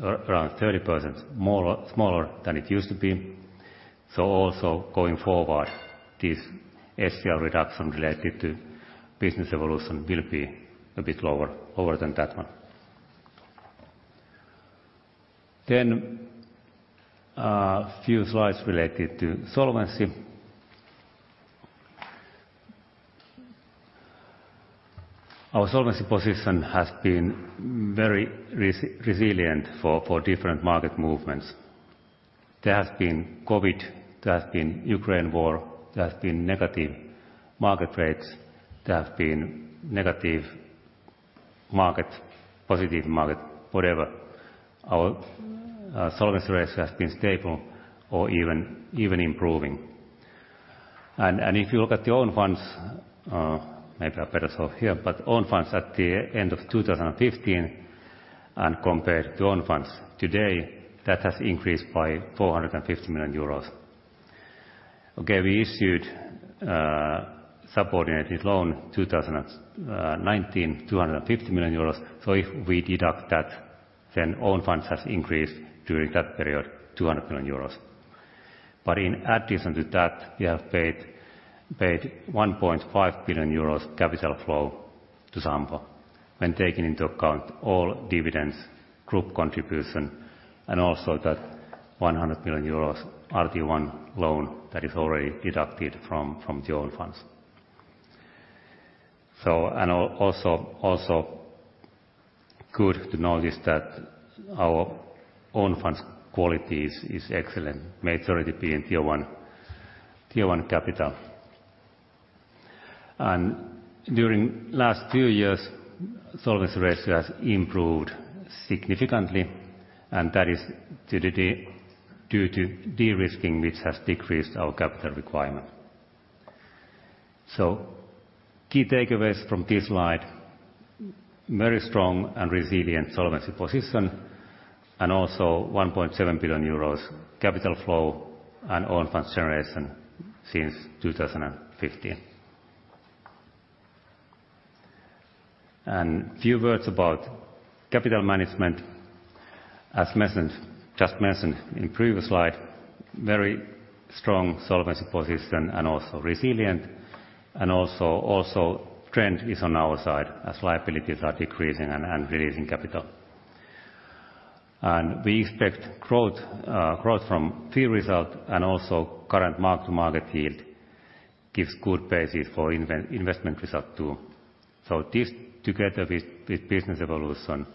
around 30% more or smaller than it used to be. So also, going forward, this SCR reduction related to business evolution will be a bit lower than that one. Then, few slides related to solvency. Our solvency position has been very resilient for different market movements. There has been COVID, there has been Ukraine war, there has been negative market rates, there have been negative market, positive market, whatever. Our solvency ratio has been stable or even improving. If you look at the own funds, maybe a better so here, but own funds at the end of 2015 and compared to own funds today, that has increased by 450 million euros. Okay, we issued subordinated loan 2019, 250 million euros. So if we deduct that, then own funds has increased during that period, 200 million euros. But in addition to that, we have paid one point five billion euros capital flow to Sampo, when taking into account all dividends, group contribution, and also that 100 million euros RT1 loan that is already deducted from the own funds. So also good to notice that our own funds quality is excellent, majority being Tier 1, Tier 1 capital. During the last two years, the solvency ratio has improved significantly, and that is due to de-risking, which has decreased our capital requirement. So, key takeaways from this slide: very strong and resilient solvency position, and also 1.7 billion euros capital flow and own funds generation since 2015. A few words about capital management. As mentioned in the previous slide, very strong solvency position and also resilient, and the trend is on our side as liabilities are decreasing and releasing capital. And we expect growth from fee result, and also current mark-to-market yield gives good basis for investment result too. So, this, together with business evolution,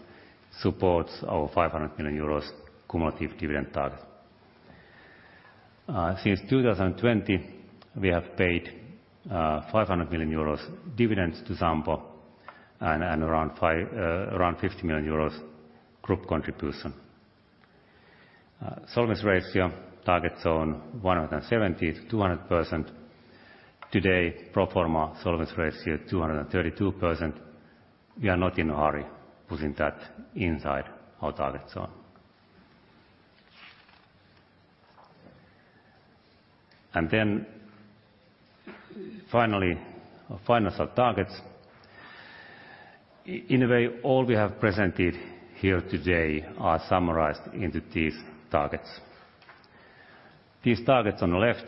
supports our 500 million euros cumulative dividend target. Since 2020, we have paid 500 million euros dividends to Sampo and around 50 million euros group contribution. Solvency ratio target zone 170%-200%. Today, pro forma solvency ratio 232%. We are not in a hurry putting that inside our target zone. And then finally, our financial targets. In a way, all we have presented here today are summarized into these targets. These targets on the left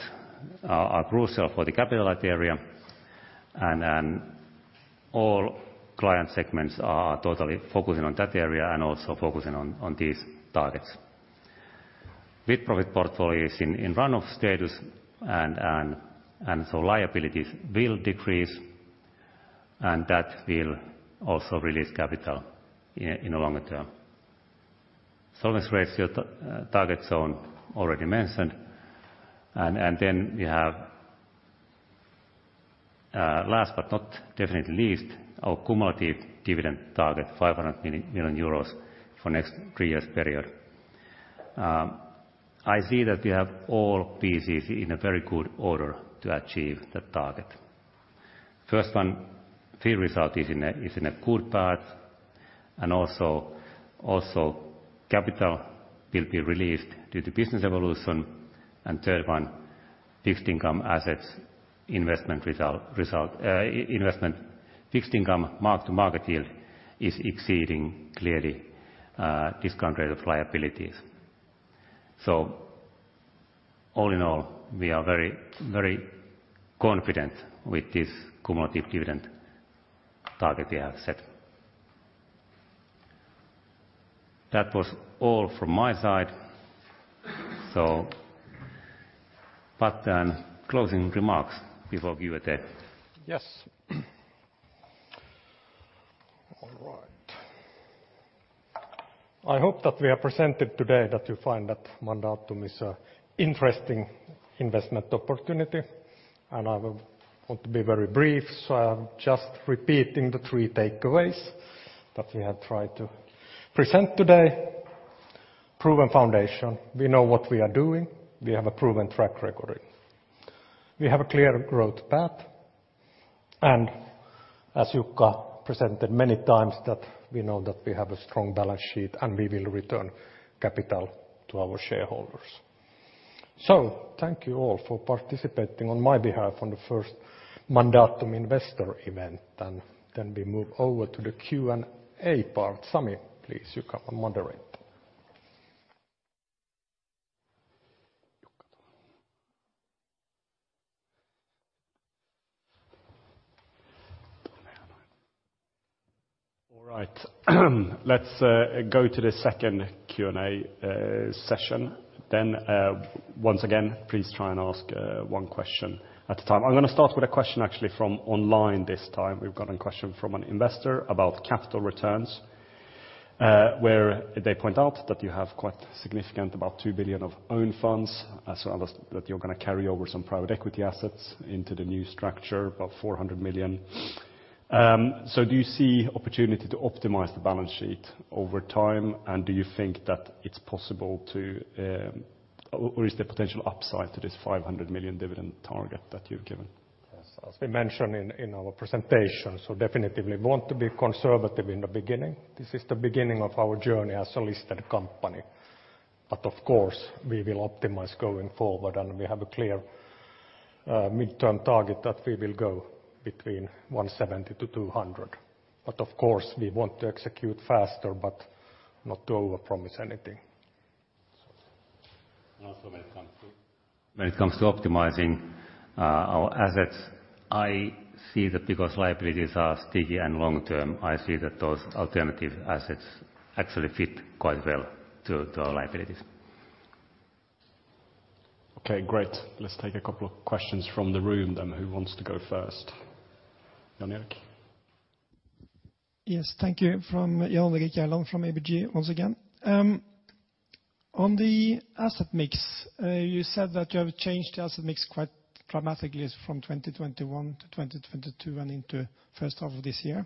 are crucial for the capital area, and then all client segments are totally focusing on that area and also focusing on these targets. With profit portfolio is in run-off status, and so liabilities will decrease, and that will also release capital in the longer term. Solvency ratio target zone already mentioned. Then we have last but not definitely least, our cumulative dividend target, 500 million euros for next three years period. I see that we have all pieces in a very good order to achieve that target. First one, fee result is in a good path, and also capital will be released due to business evolution, and third one fixed income assets, investment result, investment fixed income mark-to-market yield is exceeding clearly discount rate of liabilities. So all in all, we are very, very confident with this cumulative dividend target we have set. That was all from my side. So but then closing remarks before we give it there. Yes. All right. I hope that we have presented today that you find that Mandatum is a interesting investment opportunity, and I will want to be very brief, so I'm just repeating the three takeaways that we have tried to present today. Proven foundation: We know what we are doing, we have a proven track record. We have a clear growth path, and as Jukka presented many times, that we know that we have a strong balance sheet, and we will return capital to our shareholders. So thank you all for participating on my behalf on the first Mandatum Investor event, and then we move over to the Q&A part. Sami, please, you come and moderate. All right, let's go to the second Q&A session. Then, once again, please try and ask one question at a time. I'm going to start with a question actually from online this time. We've got a question from an investor about capital returns, where they point out that you have quite significant, about 2 billion of own funds, as well as that you're going to carry over some private equity assets into the new structure, about 400 million. So do you see opportunity to optimize the balance sheet over time? And do you think that it's possible to... Or, is there potential upside to this 500 million dividend target that you've given? As we mentioned in our presentation, so definitely we want to be conservative in the beginning. This is the beginning of our journey as a listed company, but of course, we will optimize going forward, and we have a clear midterm target that we will go between 170-200. But of course, we want to execute faster, but not to overpromise anything, so. Also, when it comes to optimizing our assets, I see that because liabilities are sticky and long-term, I see that those alternative assets actually fit quite well to the liabilities. Okay, great. Let's take a couple of questions from the room then. Who wants to go first? Jan-Erik? Yes, thank you. From Jan-Erik Gjerland from ABG once again. On the asset mix, you said that you have changed the asset mix quite dramatically from 2021 to 2022 and into first half of this year.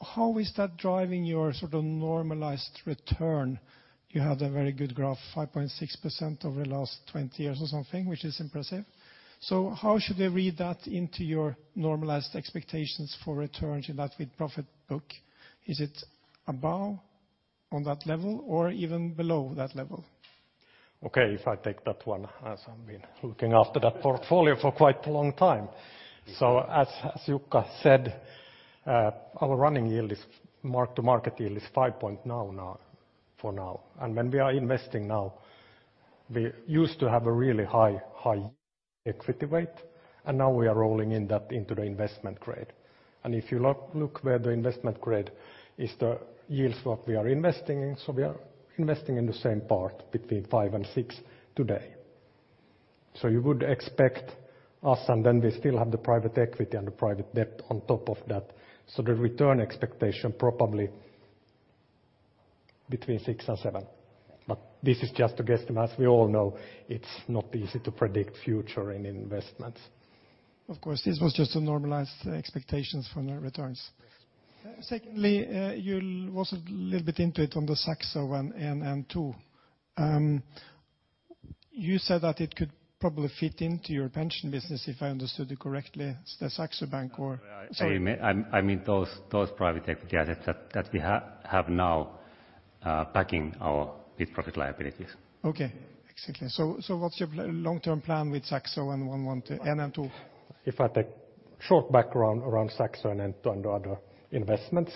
How is that driving your sort of normalized return? You had a very good graph, 5.6% over the last 20 years or something, which is impressive. So how should we read that into your normalized expectations for return to that with profit book? Is it above on that level or even below that level? Okay, if I take that one, as I've been looking after that portfolio for quite a long time. So as Jukka said, our running yield is - mark to market yield is 5% now for now. And when we are investing now, we used to have a really high equity weight, and now we are rolling in that into the investment grade. And if you look where the investment grade is, the yields what we are investing in, so we are investing in the same part between 5%-6% today. So you would expect us, and then we still have the private equity and the private debt on top of that. So the return expectation, probably between 6%-7%, but this is just a guesstimate. As we all know, it's not easy to predict future in investments. Of course, this was just a normalized expectations for the returns. Yes. Secondly, you're also a little bit into it on the Saxo and Enento. You said that it could probably fit into your pension business, if I understood you correctly, the Saxo Bank or- Sorry, I mean those private equity assets that we have now backing our big profit liabilities. Okay, exactly. So, what's your long-term plan with Saxo and Enento? If I take short background around Saxo and Enento and other investments,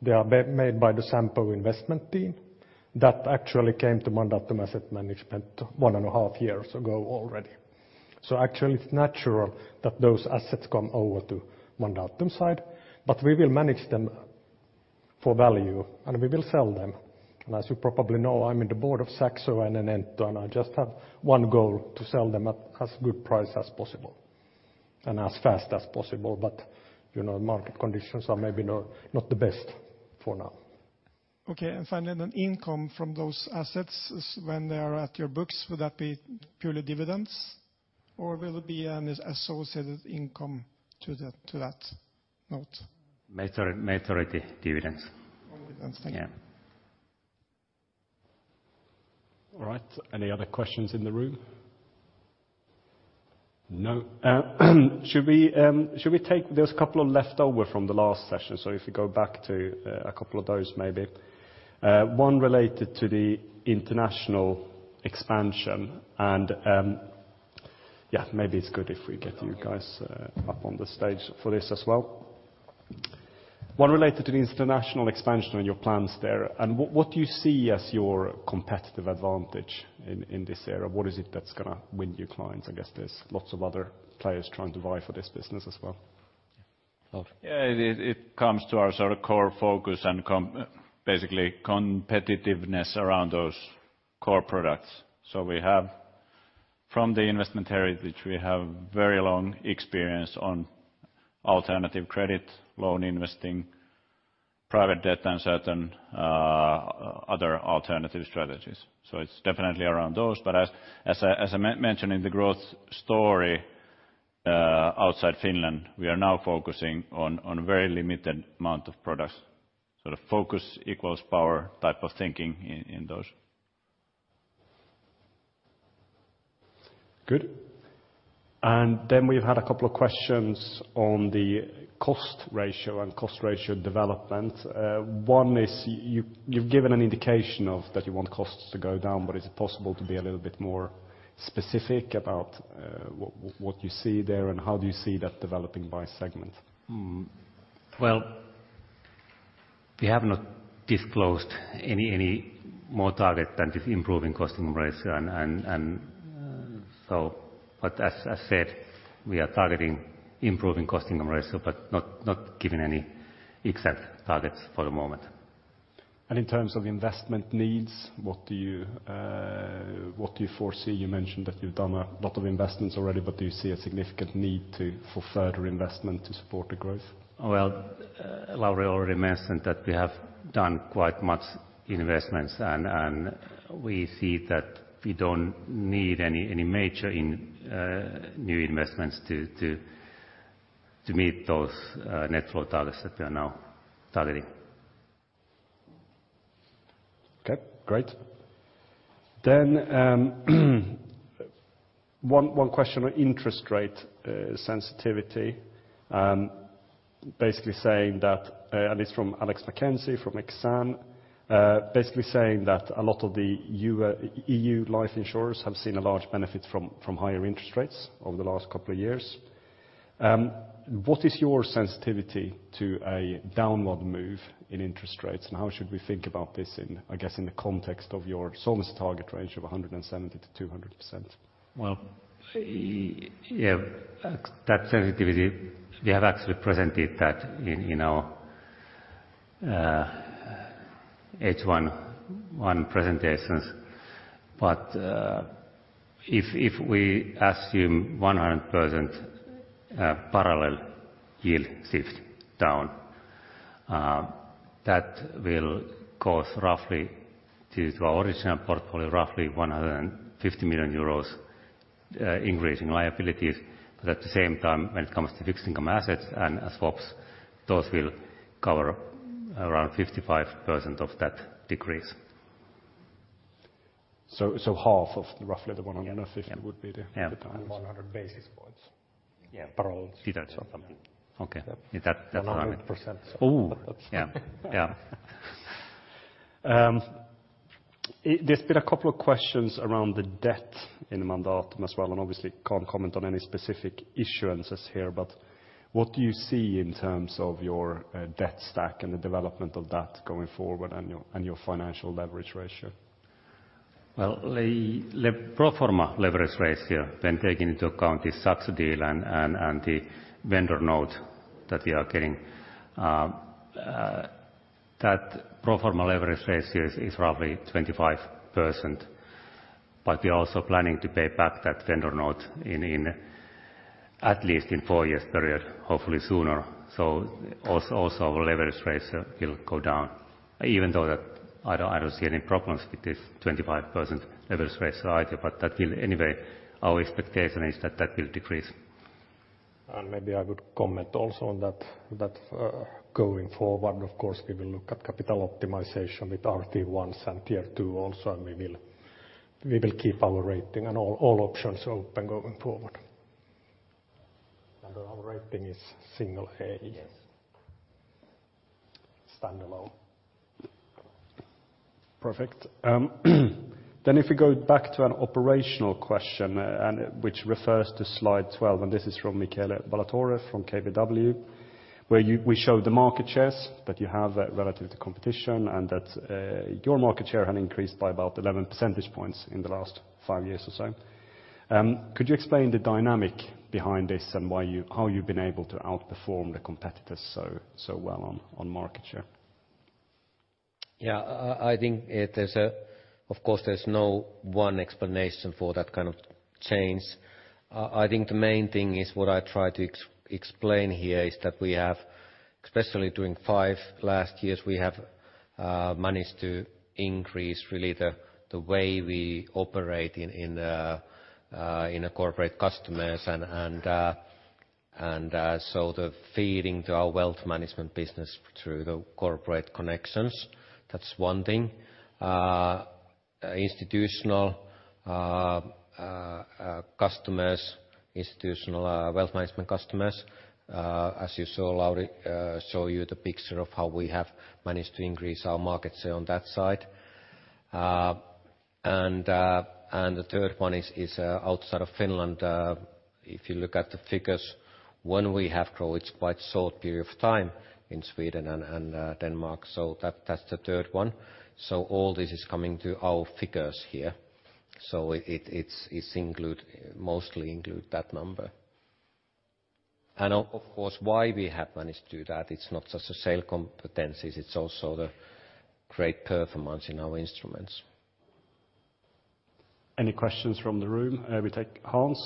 they are made by the Sampo investment team. That actually came to Mandatum Asset Management one and a half years ago already. So actually, it's natural that those assets come over to Mandatum side, but we will manage them for value, and we will sell them. And as you probably know, I'm in the board of Saxo and Enento, and I just have one goal, to sell them at as good price as possible and as fast as possible. But, you know, market conditions are maybe not the best for now. Okay, and finally, then income from those assets is when they are at your books, would that be purely dividends, or will it be an associated income to that note? Majority, majority dividends. Majority, thank you. Yeah. All right. Any other questions in the room?… No. Should we take—there's a couple of leftover from the last session, so if you go back to a couple of those, maybe. One related to the international expansion, and yeah, maybe it's good if we get you guys up on the stage for this as well. One related to the international expansion and your plans there, and what do you see as your competitive advantage in this area? What is it that's gonna win you clients? I guess there's lots of other players trying to vie for this business as well. Yeah, it comes to our sort of core focus and basically, competitiveness around those core products. So we have, from the investment area, which we have very long experience on alternative credit, loan investing, private debt, and certain other alternative strategies. So it's definitely around those. But as I mention in the growth story, outside Finland, we are now focusing on very limited amount of products. So the focus equals power type of thinking in those. Good. And then we've had a couple of questions on the cost ratio and cost ratio development. One is, you've given an indication of that you want costs to go down, but is it possible to be a little bit more specific about what you see there, and how do you see that developing by segment? Hmm. Well, we have not disclosed any more target than this improving costing ratio, and so... But as I said, we are targeting improving costing ratio, but not giving any exact targets for the moment. In terms of investment needs, what do you, what do you foresee? You mentioned that you've done a lot of investments already, but do you see a significant need for further investment to support the growth? Well, Lauri already mentioned that we have done quite much investments, and we see that we don't need any major new investments to meet those net flow targets that we are now targeting. Okay, great. Then, one question on interest rate sensitivity. Basically saying that, and it's from Alex Mackenzie, from Exane, basically saying that a lot of the EU life insurers have seen a large benefit from higher interest rates over the last couple of years. What is your sensitivity to a downward move in interest rates, and how should we think about this in, I guess, in the context of your solvency target range of 170%-200%? Well, yeah, that sensitivity, we have actually presented that in, in our H1 presentations. But, if, if we assume 100% parallel yield shift down, that will cause roughly, due to our original portfolio, roughly 150 million euros increase in liabilities. But at the same time, when it comes to fixed income assets and as swaps, those will cover around 55% of that decrease. Half of roughly the 150- Yeah. - would be the- Yeah. The balance. 100 basis points. Yeah. Parallel. That's something. Okay. Is that, that's what I mean. 100%. Oh! Yeah. Yeah. It, there's been a couple of questions around the debt in Mandatum as well, and obviously can't comment on any specific issuances here. But what do you see in terms of your debt stack and the development of that going forward, and your, and your financial leverage ratio? Well, the pro forma leverage ratio, when taking into account this subsidy and the vendor note that we are getting, that pro forma leverage ratio is roughly 25%. But we are also planning to pay back that vendor note in at least four years period, hopefully sooner. So also, our leverage ratio will go down, even though I don't see any problems with this 25% leverage ratio either, but that will anyway, our expectation is that that will decrease. Maybe I would comment also on that, that, going forward, of course, we will look at capital optimization with RT1s and Tier 2 also, and we will, we will keep our rating and all, all options open going forward. Our rating is single A. Yes. Standalone. Perfect. Then if we go back to an operational question, and which refers to slide 12, and this is from Michele Ballatore, from KBW, where we show the market shares that you have relative to competition, and that your market share had increased by about 11 percentage points in the last five years or so. Could you explain the dynamic behind this and why how you've been able to outperform the competitors so, so well on, on market share? Yeah, I think there's a. Of course, there's no one explanation for that kind of change. I think the main thing is, what I try to explain here is that we have, especially during five last years, we have managed to increase really the way we operate in corporate customers and so the feeding to our wealth management business through the corporate connections, that's one thing. Institutional customers, institutional wealth management customers, as you saw, Lauri show you the picture of how we have managed to increase our market share on that side. And the third one is outside of Finland. If you look at the figures, when we have grown, it's quite short period of time in Sweden and Denmark, so that's the third one. So all this is coming to our figures here. So it's mostly include that number. And of course, why we have managed to do that, it's not just the sale competencies, it's also the great performance in our instruments. Any questions from the room? We take Hans.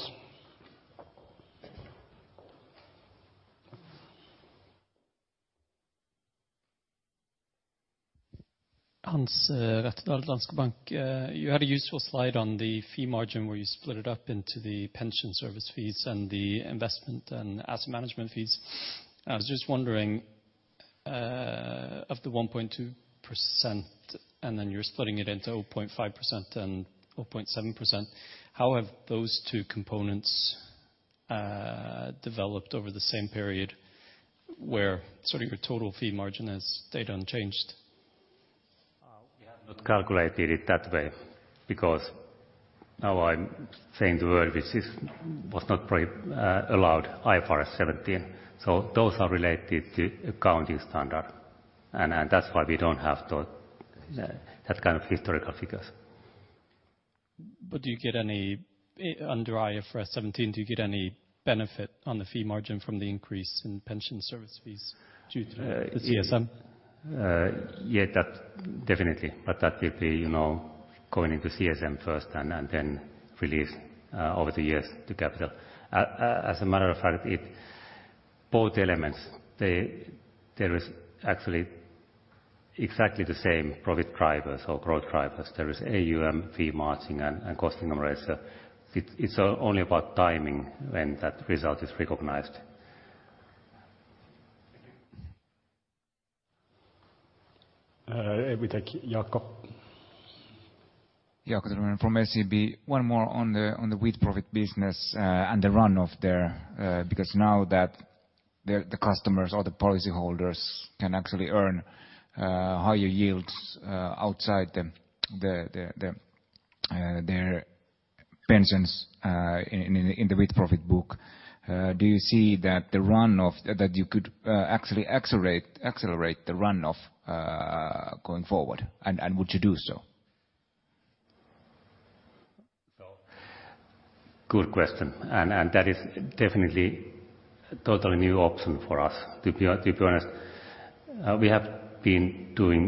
Hans Rettedal, Danske Bank. You had a useful slide on the fee margin, where you split it up into the pension service fees and the investment and asset management fees. I was just wondering, of the 1.2%, and then you're splitting it into 0.5% and 0.7%, how have those two components developed over the same period, where sort of your total fee margin has stayed unchanged? We have not calculated it that way, because now I'm saying the word, which is, was not pretty, allowed, IFRS 17. So those are related to accounting standard, and that's why we don't have those, that kind of historical figures. But do you get any... Under IFRS 17, do you get any benefit on the fee margin from the increase in pension service fees due to the CSM? Yeah, that definitely, but that will be, you know, going into CSM first and then release over the years to capital. As a matter of fact, both elements, there is actually exactly the same profit drivers or growth drivers. There is AUM, fee margin, and costing numerator. It's only about timing when that result is recognized. We take Jaakko. Jaakko Kosunen from SEB. One more on the with-profit business and the run-off there, because now that the customers or the policyholders can actually earn higher yields outside their pensions in the with-profit book, do you see that the run-off that you could actually accelerate the run-off going forward? And would you do so? So good question, and that is definitely a totally new option for us, to be honest. We have been doing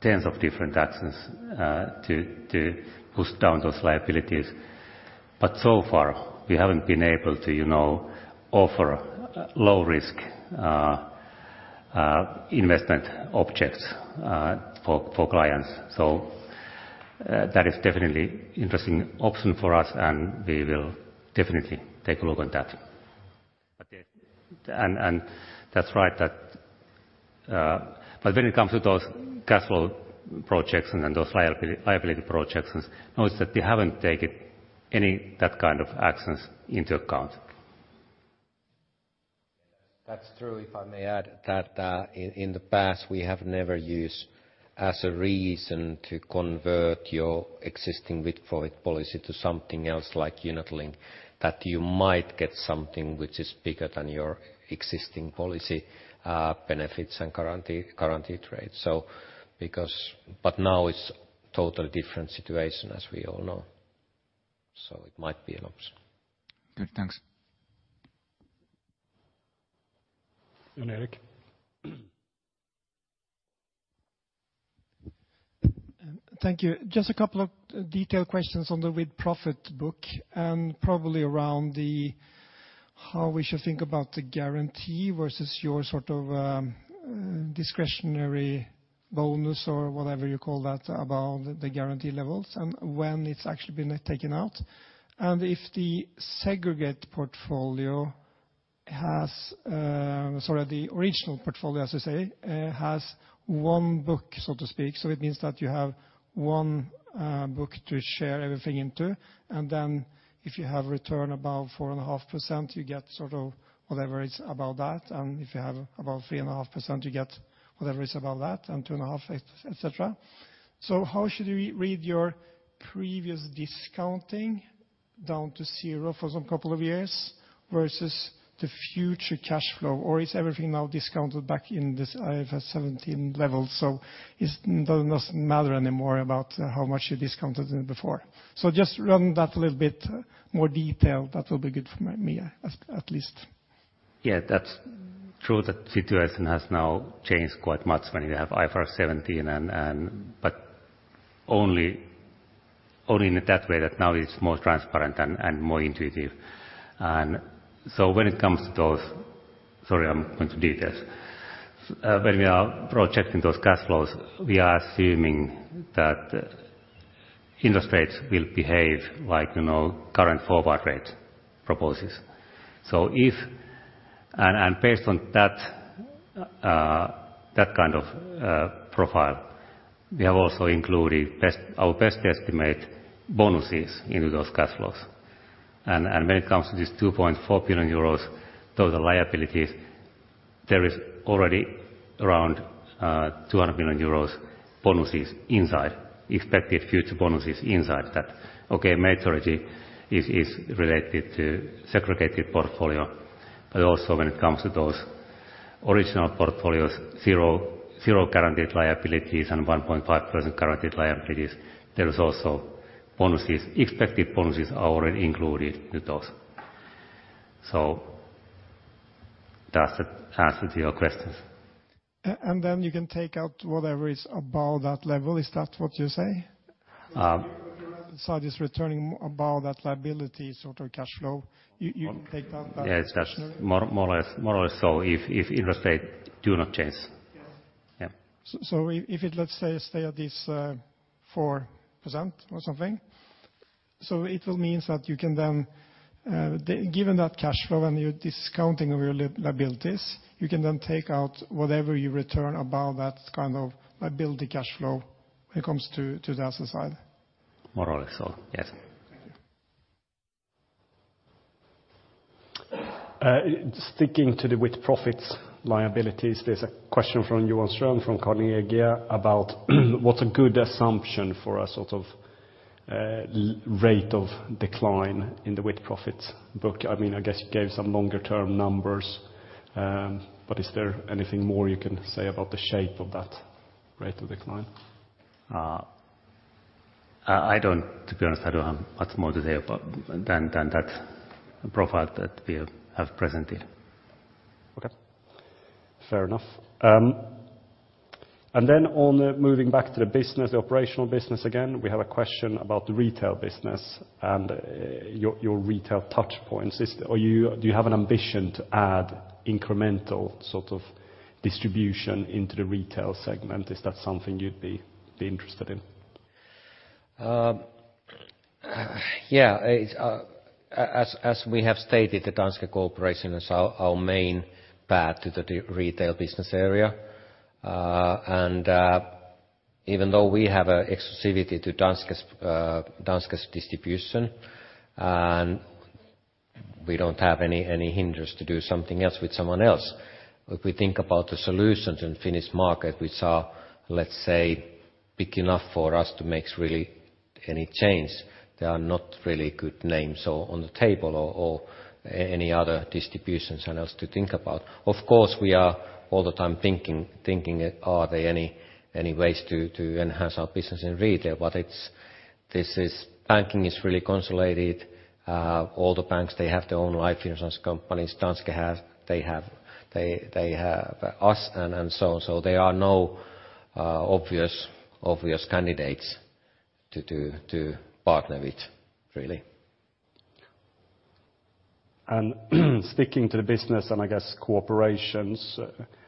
tens of different actions to push down those liabilities, but so far, we haven't been able to, you know, offer low-risk investment objects for clients. So, that is definitely interesting option for us, and we will definitely take a look on that. But that's right, but when it comes to those cash flow projections and those liability projections, notice that we haven't taken any that kind of actions into account. That's true. If I may add that, in the past, we have never used as a reason to convert your existing with-profit policy to something else, like unit link, that you might get something which is bigger than your existing policy, benefits and guarantee rates. But now it's totally different situation, as we all know, so it might be an option. Good. Thanks. Jan-Erik? Thank you. Just a couple of detailed questions on the with-profit book, and probably around the, how we should think about the guarantee versus your sort of, discretionary bonus or whatever you call that, about the guarantee levels and when it's actually been taken out. And if the segregated portfolio has, sorry, the original portfolio, as you say, has one book, so to speak, so it means that you have one book to share everything into, and then if you have return about 4.5%, you get sort of whatever is about that, and if you have about 3.5%, you get whatever is about that, and 2.5%, etc. So how should we read your previous discounting down to zero for a couple of years versus the future cash flow? Or is everything now discounted back in this IFRS 17 level, so it doesn't matter anymore about how much you discounted it before? So just run that a little bit more detail. That will be good for me, at least. Yeah, that's true. The situation has now changed quite much when you have IFRS 17. But only, only in that way that now it's more transparent and more intuitive. And so when it comes to those—sorry, I'm going to details. When we are projecting those cash flows, we are assuming that interest rates will behave like, you know, current forward rate proposes. So based on that, that kind of profile, we have also included our best estimate bonuses into those cash flows. And when it comes to this 2.4 billion euros, those are liabilities, there is already around 200 million euros bonuses inside, expected future bonuses inside that. Okay, majority is related to segregated portfolio, but also when it comes to those original portfolios, 0.0 guaranteed liabilities and 1.5% guaranteed liabilities, there is also bonuses. Expected bonuses are already included in those. So does that answer to your questions? And then you can take out whatever is above that level, is that what you say? Um- Side is returning above that liability, sort of cash flow. You, you can take that- Yeah, it's that. More or less, more or less, so if interest rate do not change. Yes. Yeah. So if it, let's say, stay at this 4% or something, so it will means that you can then given that cash flow and you're discounting your liabilities, you can then take out whatever you return above that kind of liability cash flow when it comes to the asset side? More or less so, yes. Thank you. Sticking to the with-profits liabilities, there's a question from Johan Ström from Carnegie about what's a good assumption for a sort of rate of decline in the with-profits book? I mean, I guess you gave some longer-term numbers, but is there anything more you can say about the shape of that rate of decline? To be honest, I don't have much more to say about than that profile that we have presented. Okay. Fair enough. And then on moving back to the business, the operational business again, we have a question about the retail business and your retail touchpoints. Do you have an ambition to add incremental sort of distribution into the retail segment? Is that something you'd be interested in? Yeah, it's, as we have stated, the Danske cooperation is our main path to the retail business area. Even though we have an exclusivity to Danske's Danske's distribution, and we don't have any hindrance to do something else with someone else. If we think about the solutions in Finnish market, which are, let's say, big enough for us to make really any change, there are not really good names on the table or any other distributions or else to think about. Of course, we are all the time thinking, are there any ways to enhance our business in retail? But it's this is banking is really consolidated. All the banks, they have their own life insurance companies. Danske has they have us and so on. So there are no obvious candidates to partner with, really. Sticking to the business and I guess cooperations,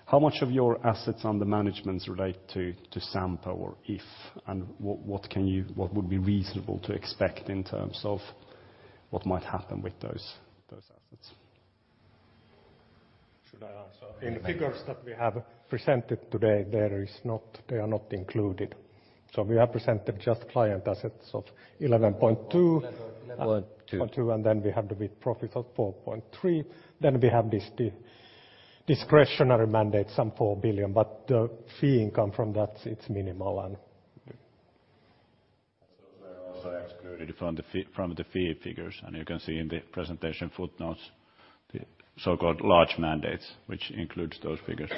how much of your assets under management relate to Sampo, or if and what can you—what would be reasonable to expect in terms of what might happen with those assets? Should I answer? Yeah. In the figures that we have presented today, they are not included. So we have presented just client assets of 11.2- One, two. One, two, and then we have the With-Profits of 4.3 billion. Then we have this discretionary mandate, some 4 billion, but the fee income from that, it's minimal and- Those are also excluded from the fee, from the fee figures, and you can see in the presentation footnotes, the so-called large mandates, which includes those figures.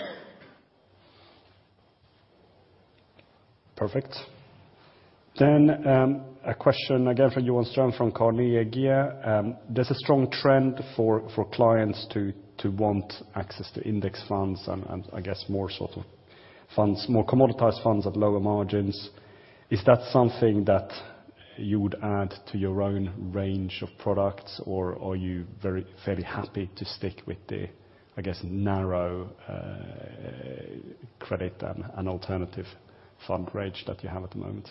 Perfect. Then, a question again from Johan Ström from Carnegie: there's a strong trend for clients to want access to index funds and I guess more sort of funds, more commoditized funds at lower margins. Is that something that you would add to your own range of products, or are you very fairly happy to stick with the I guess narrow credit and alternative fund range that you have at the moment?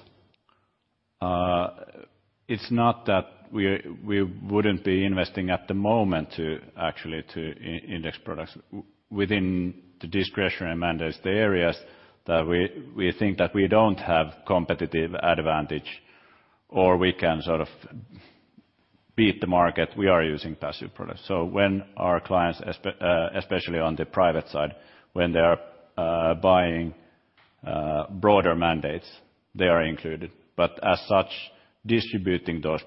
It's not that we wouldn't be investing at the moment to actually invest in index products. Within the discretionary mandates, the areas that we think that we don't have competitive advantage, or we can sort of beat the market, we are using passive products. So when our clients, especially on the private side, when they are buying broader mandates, they are included. But as such, distributing those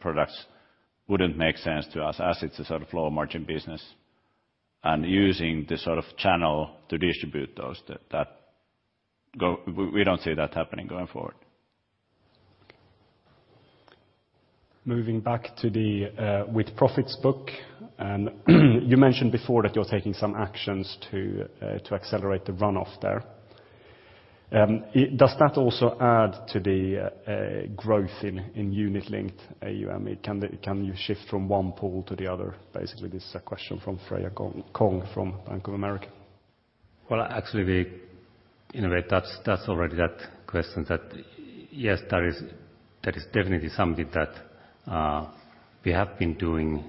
products wouldn't make sense to us, as it's a sort of low-margin business, and using this sort of channel to distribute those. We don't see that happening going forward. Moving back to the with-profits book, and you mentioned before that you're taking some actions to accelerate the run-off there. Does that also add to the growth in unit-linked AUM? Can you shift from one pool to the other? Basically, this is a question from Freya Kong from Bank of America. ...Well, actually, we, in a way, that's, that's already that question that yes, that is, that is definitely something that we have been doing,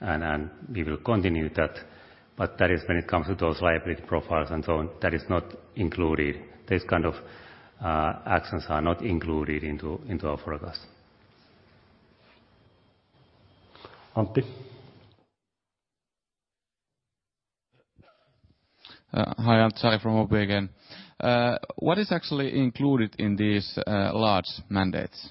and, and we will continue that. But that is when it comes to those liability profiles and so on, that is not included. These kind of actions are not included into, into our forecast. Antti? Hi, Antti from OP again. What is actually included in these large mandates?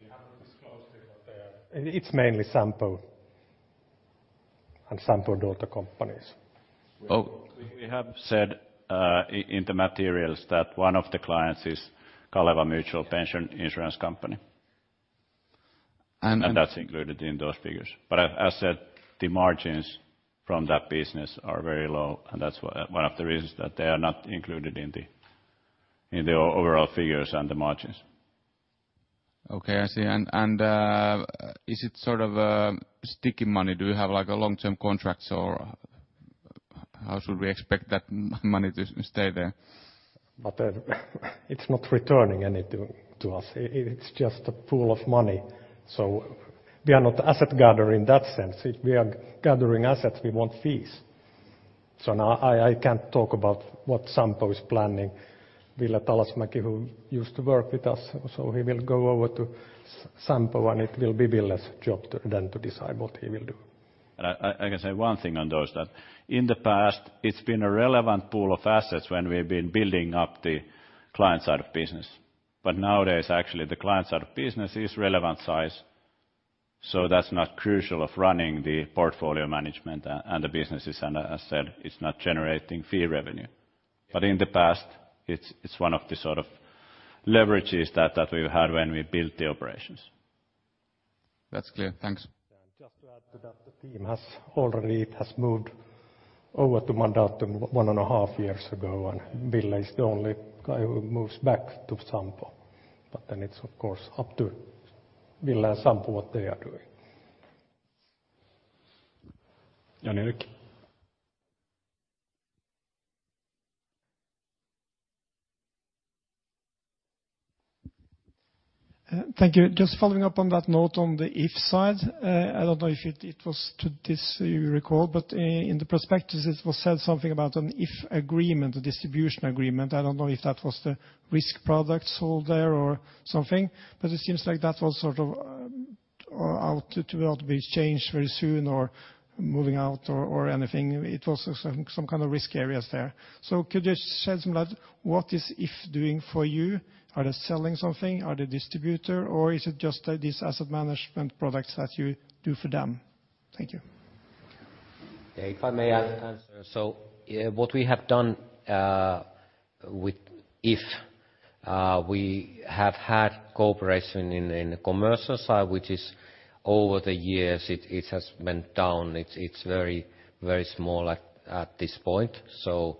We have to disclose it, but it's mainly Sampo and Sampo daughter companies. Oh, we have said in the materials that one of the clients is Kaleva Mutual Insurance Company. And- That's included in those figures. But as said, the margins from that business are very low, and that's one of the reasons that they are not included in the overall figures and the margins. Okay, I see. And, is it sort of sticky money? Do you have, like, a long-term contracts, or how should we expect that money to stay there? But, it's not returning anything to us. It, it's just a pool of money, so we are not asset gatherer in that sense. If we are gathering assets, we want fees. So now I can't talk about what Sampo is planning. Ville Talasmäki, who used to work with us, so he will go over to Sampo, and it will be Ville's job to decide what he will do. I can say one thing on those, that in the past, it's been a relevant pool of assets when we've been building up the client side of business. But nowadays, actually, the client side of business is relevant size, so that's not crucial of running the portfolio management and the businesses, and as said, it's not generating fee revenue. But in the past, it's one of the sort of leverages that we had when we built the operations. That's clear. Thanks. Just to add to that, the team has already moved over to Mandatum 1.5 years ago, and Ville is the only guy who moves back to Sampo. But then it's, of course, up to Ville and Sampo what they are doing. Jan-Erik? Thank you. Just following up on that note on the If side, I don't know if it was this you recall, but in the prospectus, it was said something about an If agreement, a distribution agreement. I don't know if that was the risk products sold there or something, but it seems like that was sort of or out to be changed very soon or moving out or anything. It was also some kind of risk areas there. So could you say some about what is If doing for you? Are they selling something? Are they distributor, or is it just this asset management products that you do for them? Thank you. If I may answer, so, yeah, what we have done with If, we have had cooperation in the commercial side, which is over the years, it has been down. It's very, very small at this point, so,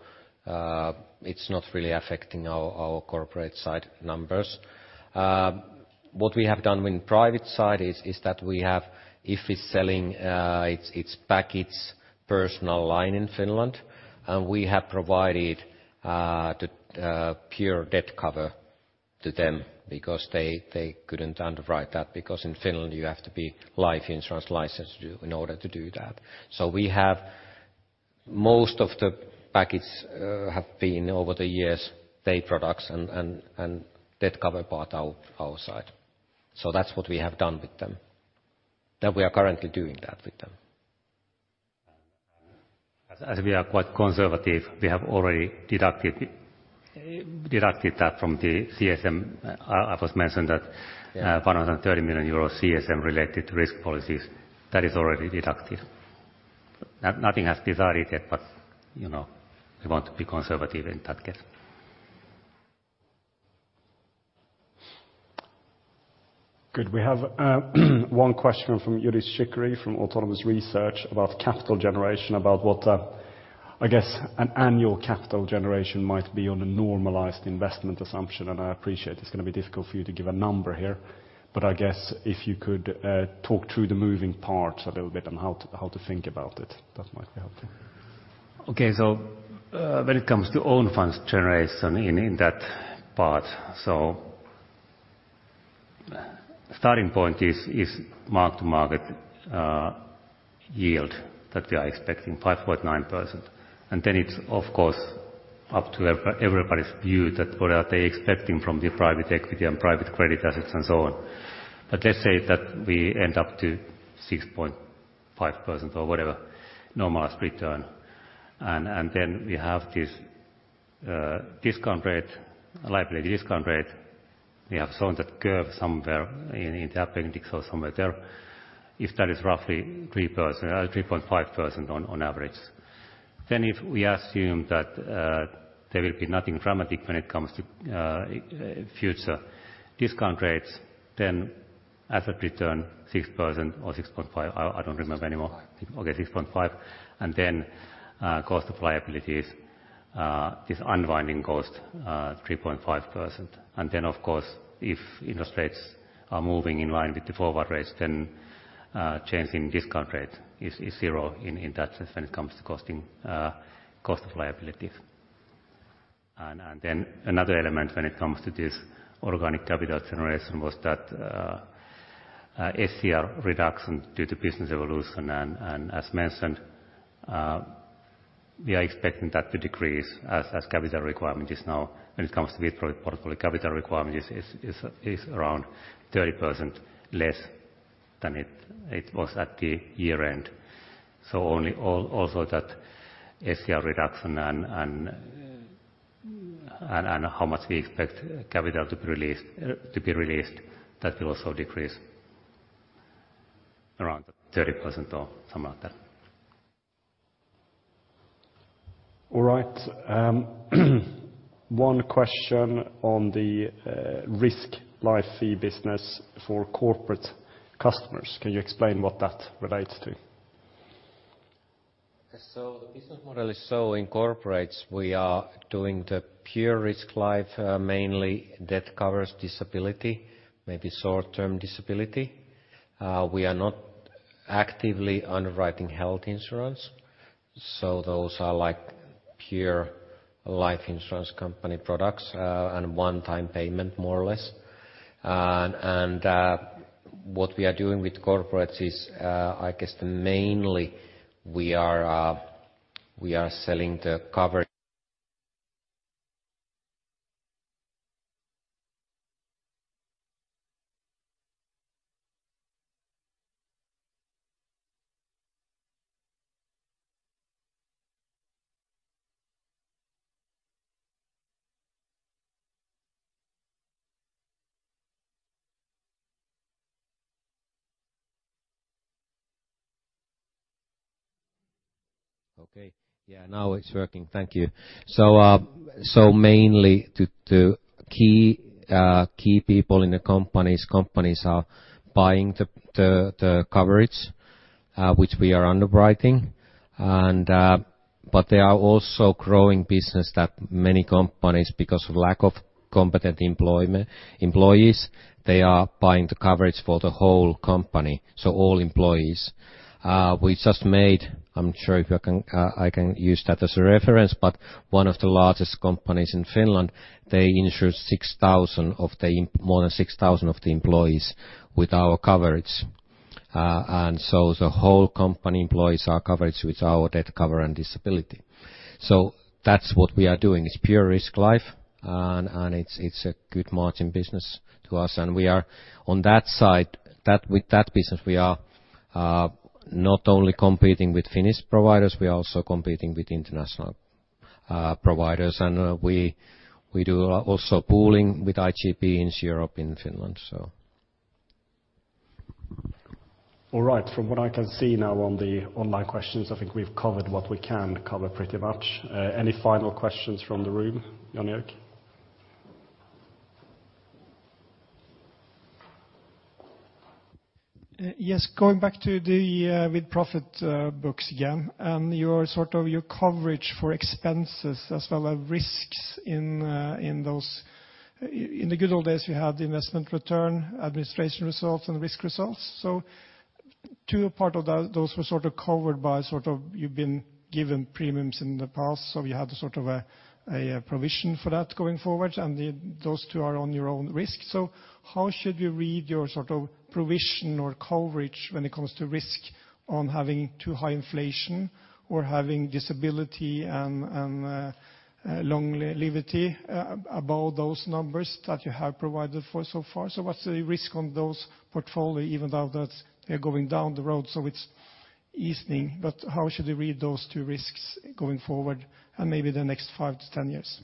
it's not really affecting our corporate side numbers. What we have done in private side is that If is selling its package personal line in Finland, and we have provided the pure death cover to them because they couldn't underwrite that, because in Finland, you have to be life insurance licensed to do that. So we have most of the package have been over the years, P&C products and death cover part our side. So that's what we have done with them, that we are currently doing that with them. As we are quite conservative, we have already deducted, deducted that from the CSM. I first mentioned that- Yeah. 130 million euros CSM-related risk policies, that is already deducted. No, nothing has decided yet, but, you know, we want to be conservative in that case. Good. We have, one question from Yousef Sherifi, from Autonomous Research, about capital generation, about what, I guess, an annual capital generation might be on a normalized investment assumption, and I appreciate it's gonna be difficult for you to give a number here. But I guess if you could, talk through the moving parts a little bit on how to, how to think about it, that might be helpful. Okay, so, when it comes to own funds generation in that part, so starting point is mark-to-market yield that we are expecting, 5.9%. And then it's, of course, up to everybody's view that what are they expecting from the private equity and private credit assets and so on. But let's say that we end up to 6.5% or whatever normalized return, and then we have this discount rate, liability discount rate. We have shown that curve somewhere in the appendix or somewhere there. If that is roughly 3%, 3.5% on average, then if we assume that there will be nothing dramatic when it comes to future discount rates, then asset return 6% or 6.5%, I don't remember anymore. 6.5. Okay, 6.5, and then, cost of liabilities, this unwinding cost, 3.5%. And then, of course, if interest rates are moving in line with the forward rates, then change in discount rate is 0 in that sense when it comes to costing, cost of liabilities. And then another element when it comes to this organic capital generation was that, SCR reduction due to business evolution. And as mentioned, we are expecting that to decrease as capital requirement is now—when it comes to with-profit portfolio, capital requirement is around 30% less than it was at the year-end. So also that SCR reduction and how much we expect capital to be released, that will also decrease around 30% or something like that. All right. One question on the risk life fee business for corporate customers. Can you explain what that relates to? So the business model is so in corporates, we are doing the pure risk life, mainly death covers disability, maybe short-term disability. We are not actively underwriting health insurance, so those are like pure life insurance company products, and one-time payment, more or less. And what we are doing with corporates is, I guess mainly we are selling the coverage. Okay. Yeah, now it's working. Thank you. So, so mainly to key people in the companies, companies are buying the coverage which we are underwriting. And but they are also growing business that many companies, because of lack of competent employees, they are buying the coverage for the whole company, so all employees. We just made, I'm not sure if I can, I can use that as a reference, but one of the largest companies in Finland, they insured 6,000 of them, more than 6,000 of the employees with our coverage. And so the whole company employees are covered with our death cover and disability. So that's what we are doing, is pure risk life, and it's a good margin business to us. And we are on that side, with that business, we are not only competing with Finnish providers, we are also competing with international providers. And we do also pooling with IGP in Europe, in Finland, so. All right. From what I can see now on the online questions, I think we've covered what we can cover pretty much. Any final questions from the room, Jan-Erik? Yes, going back to the with-profit books again, and your sort of your coverage for expenses as well as risks in in those. In the good old days, you had the investment return, administration results, and risk results. So two parts of those were sort of covered by sort of you've been given premiums in the past, so you had a sort of a provision for that going forward, and those two are on your own risk. So how should you read your sort of provision or coverage when it comes to risk on having too high inflation or having disability and longevity above those numbers that you have provided for so far? What's the risk on those portfolio, even though that they're going down the road, so it's easing, but how should we read those two risks going forward and maybe the next five to 10 years?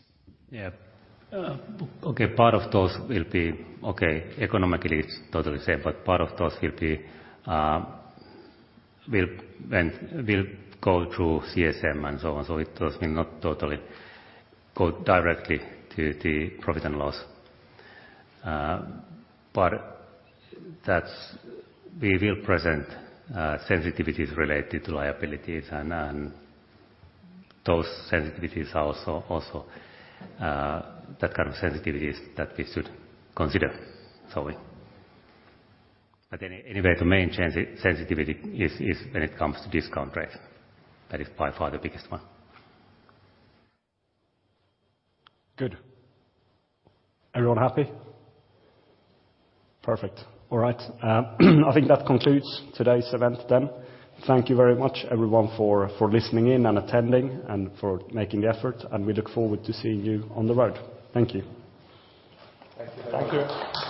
Yeah. Okay, part of those will be... Okay, economically, it's totally same, but part of those will be, will, and will go through CSM and so on. So it does not totally go directly to the profit and loss. But that's- we will present sensitivities related to liabilities, and those sensitivities are also that kind of sensitivities that we should consider, so. But anyway, the main sensitivity is when it comes to discount rate. That is by far the biggest one. Good. Everyone happy? Perfect. All right. I think that concludes today's event then. Thank you very much, everyone, for listening in and attending and for making the effort, and we look forward to seeing you on the road. Thank you. Thank you. Thank you.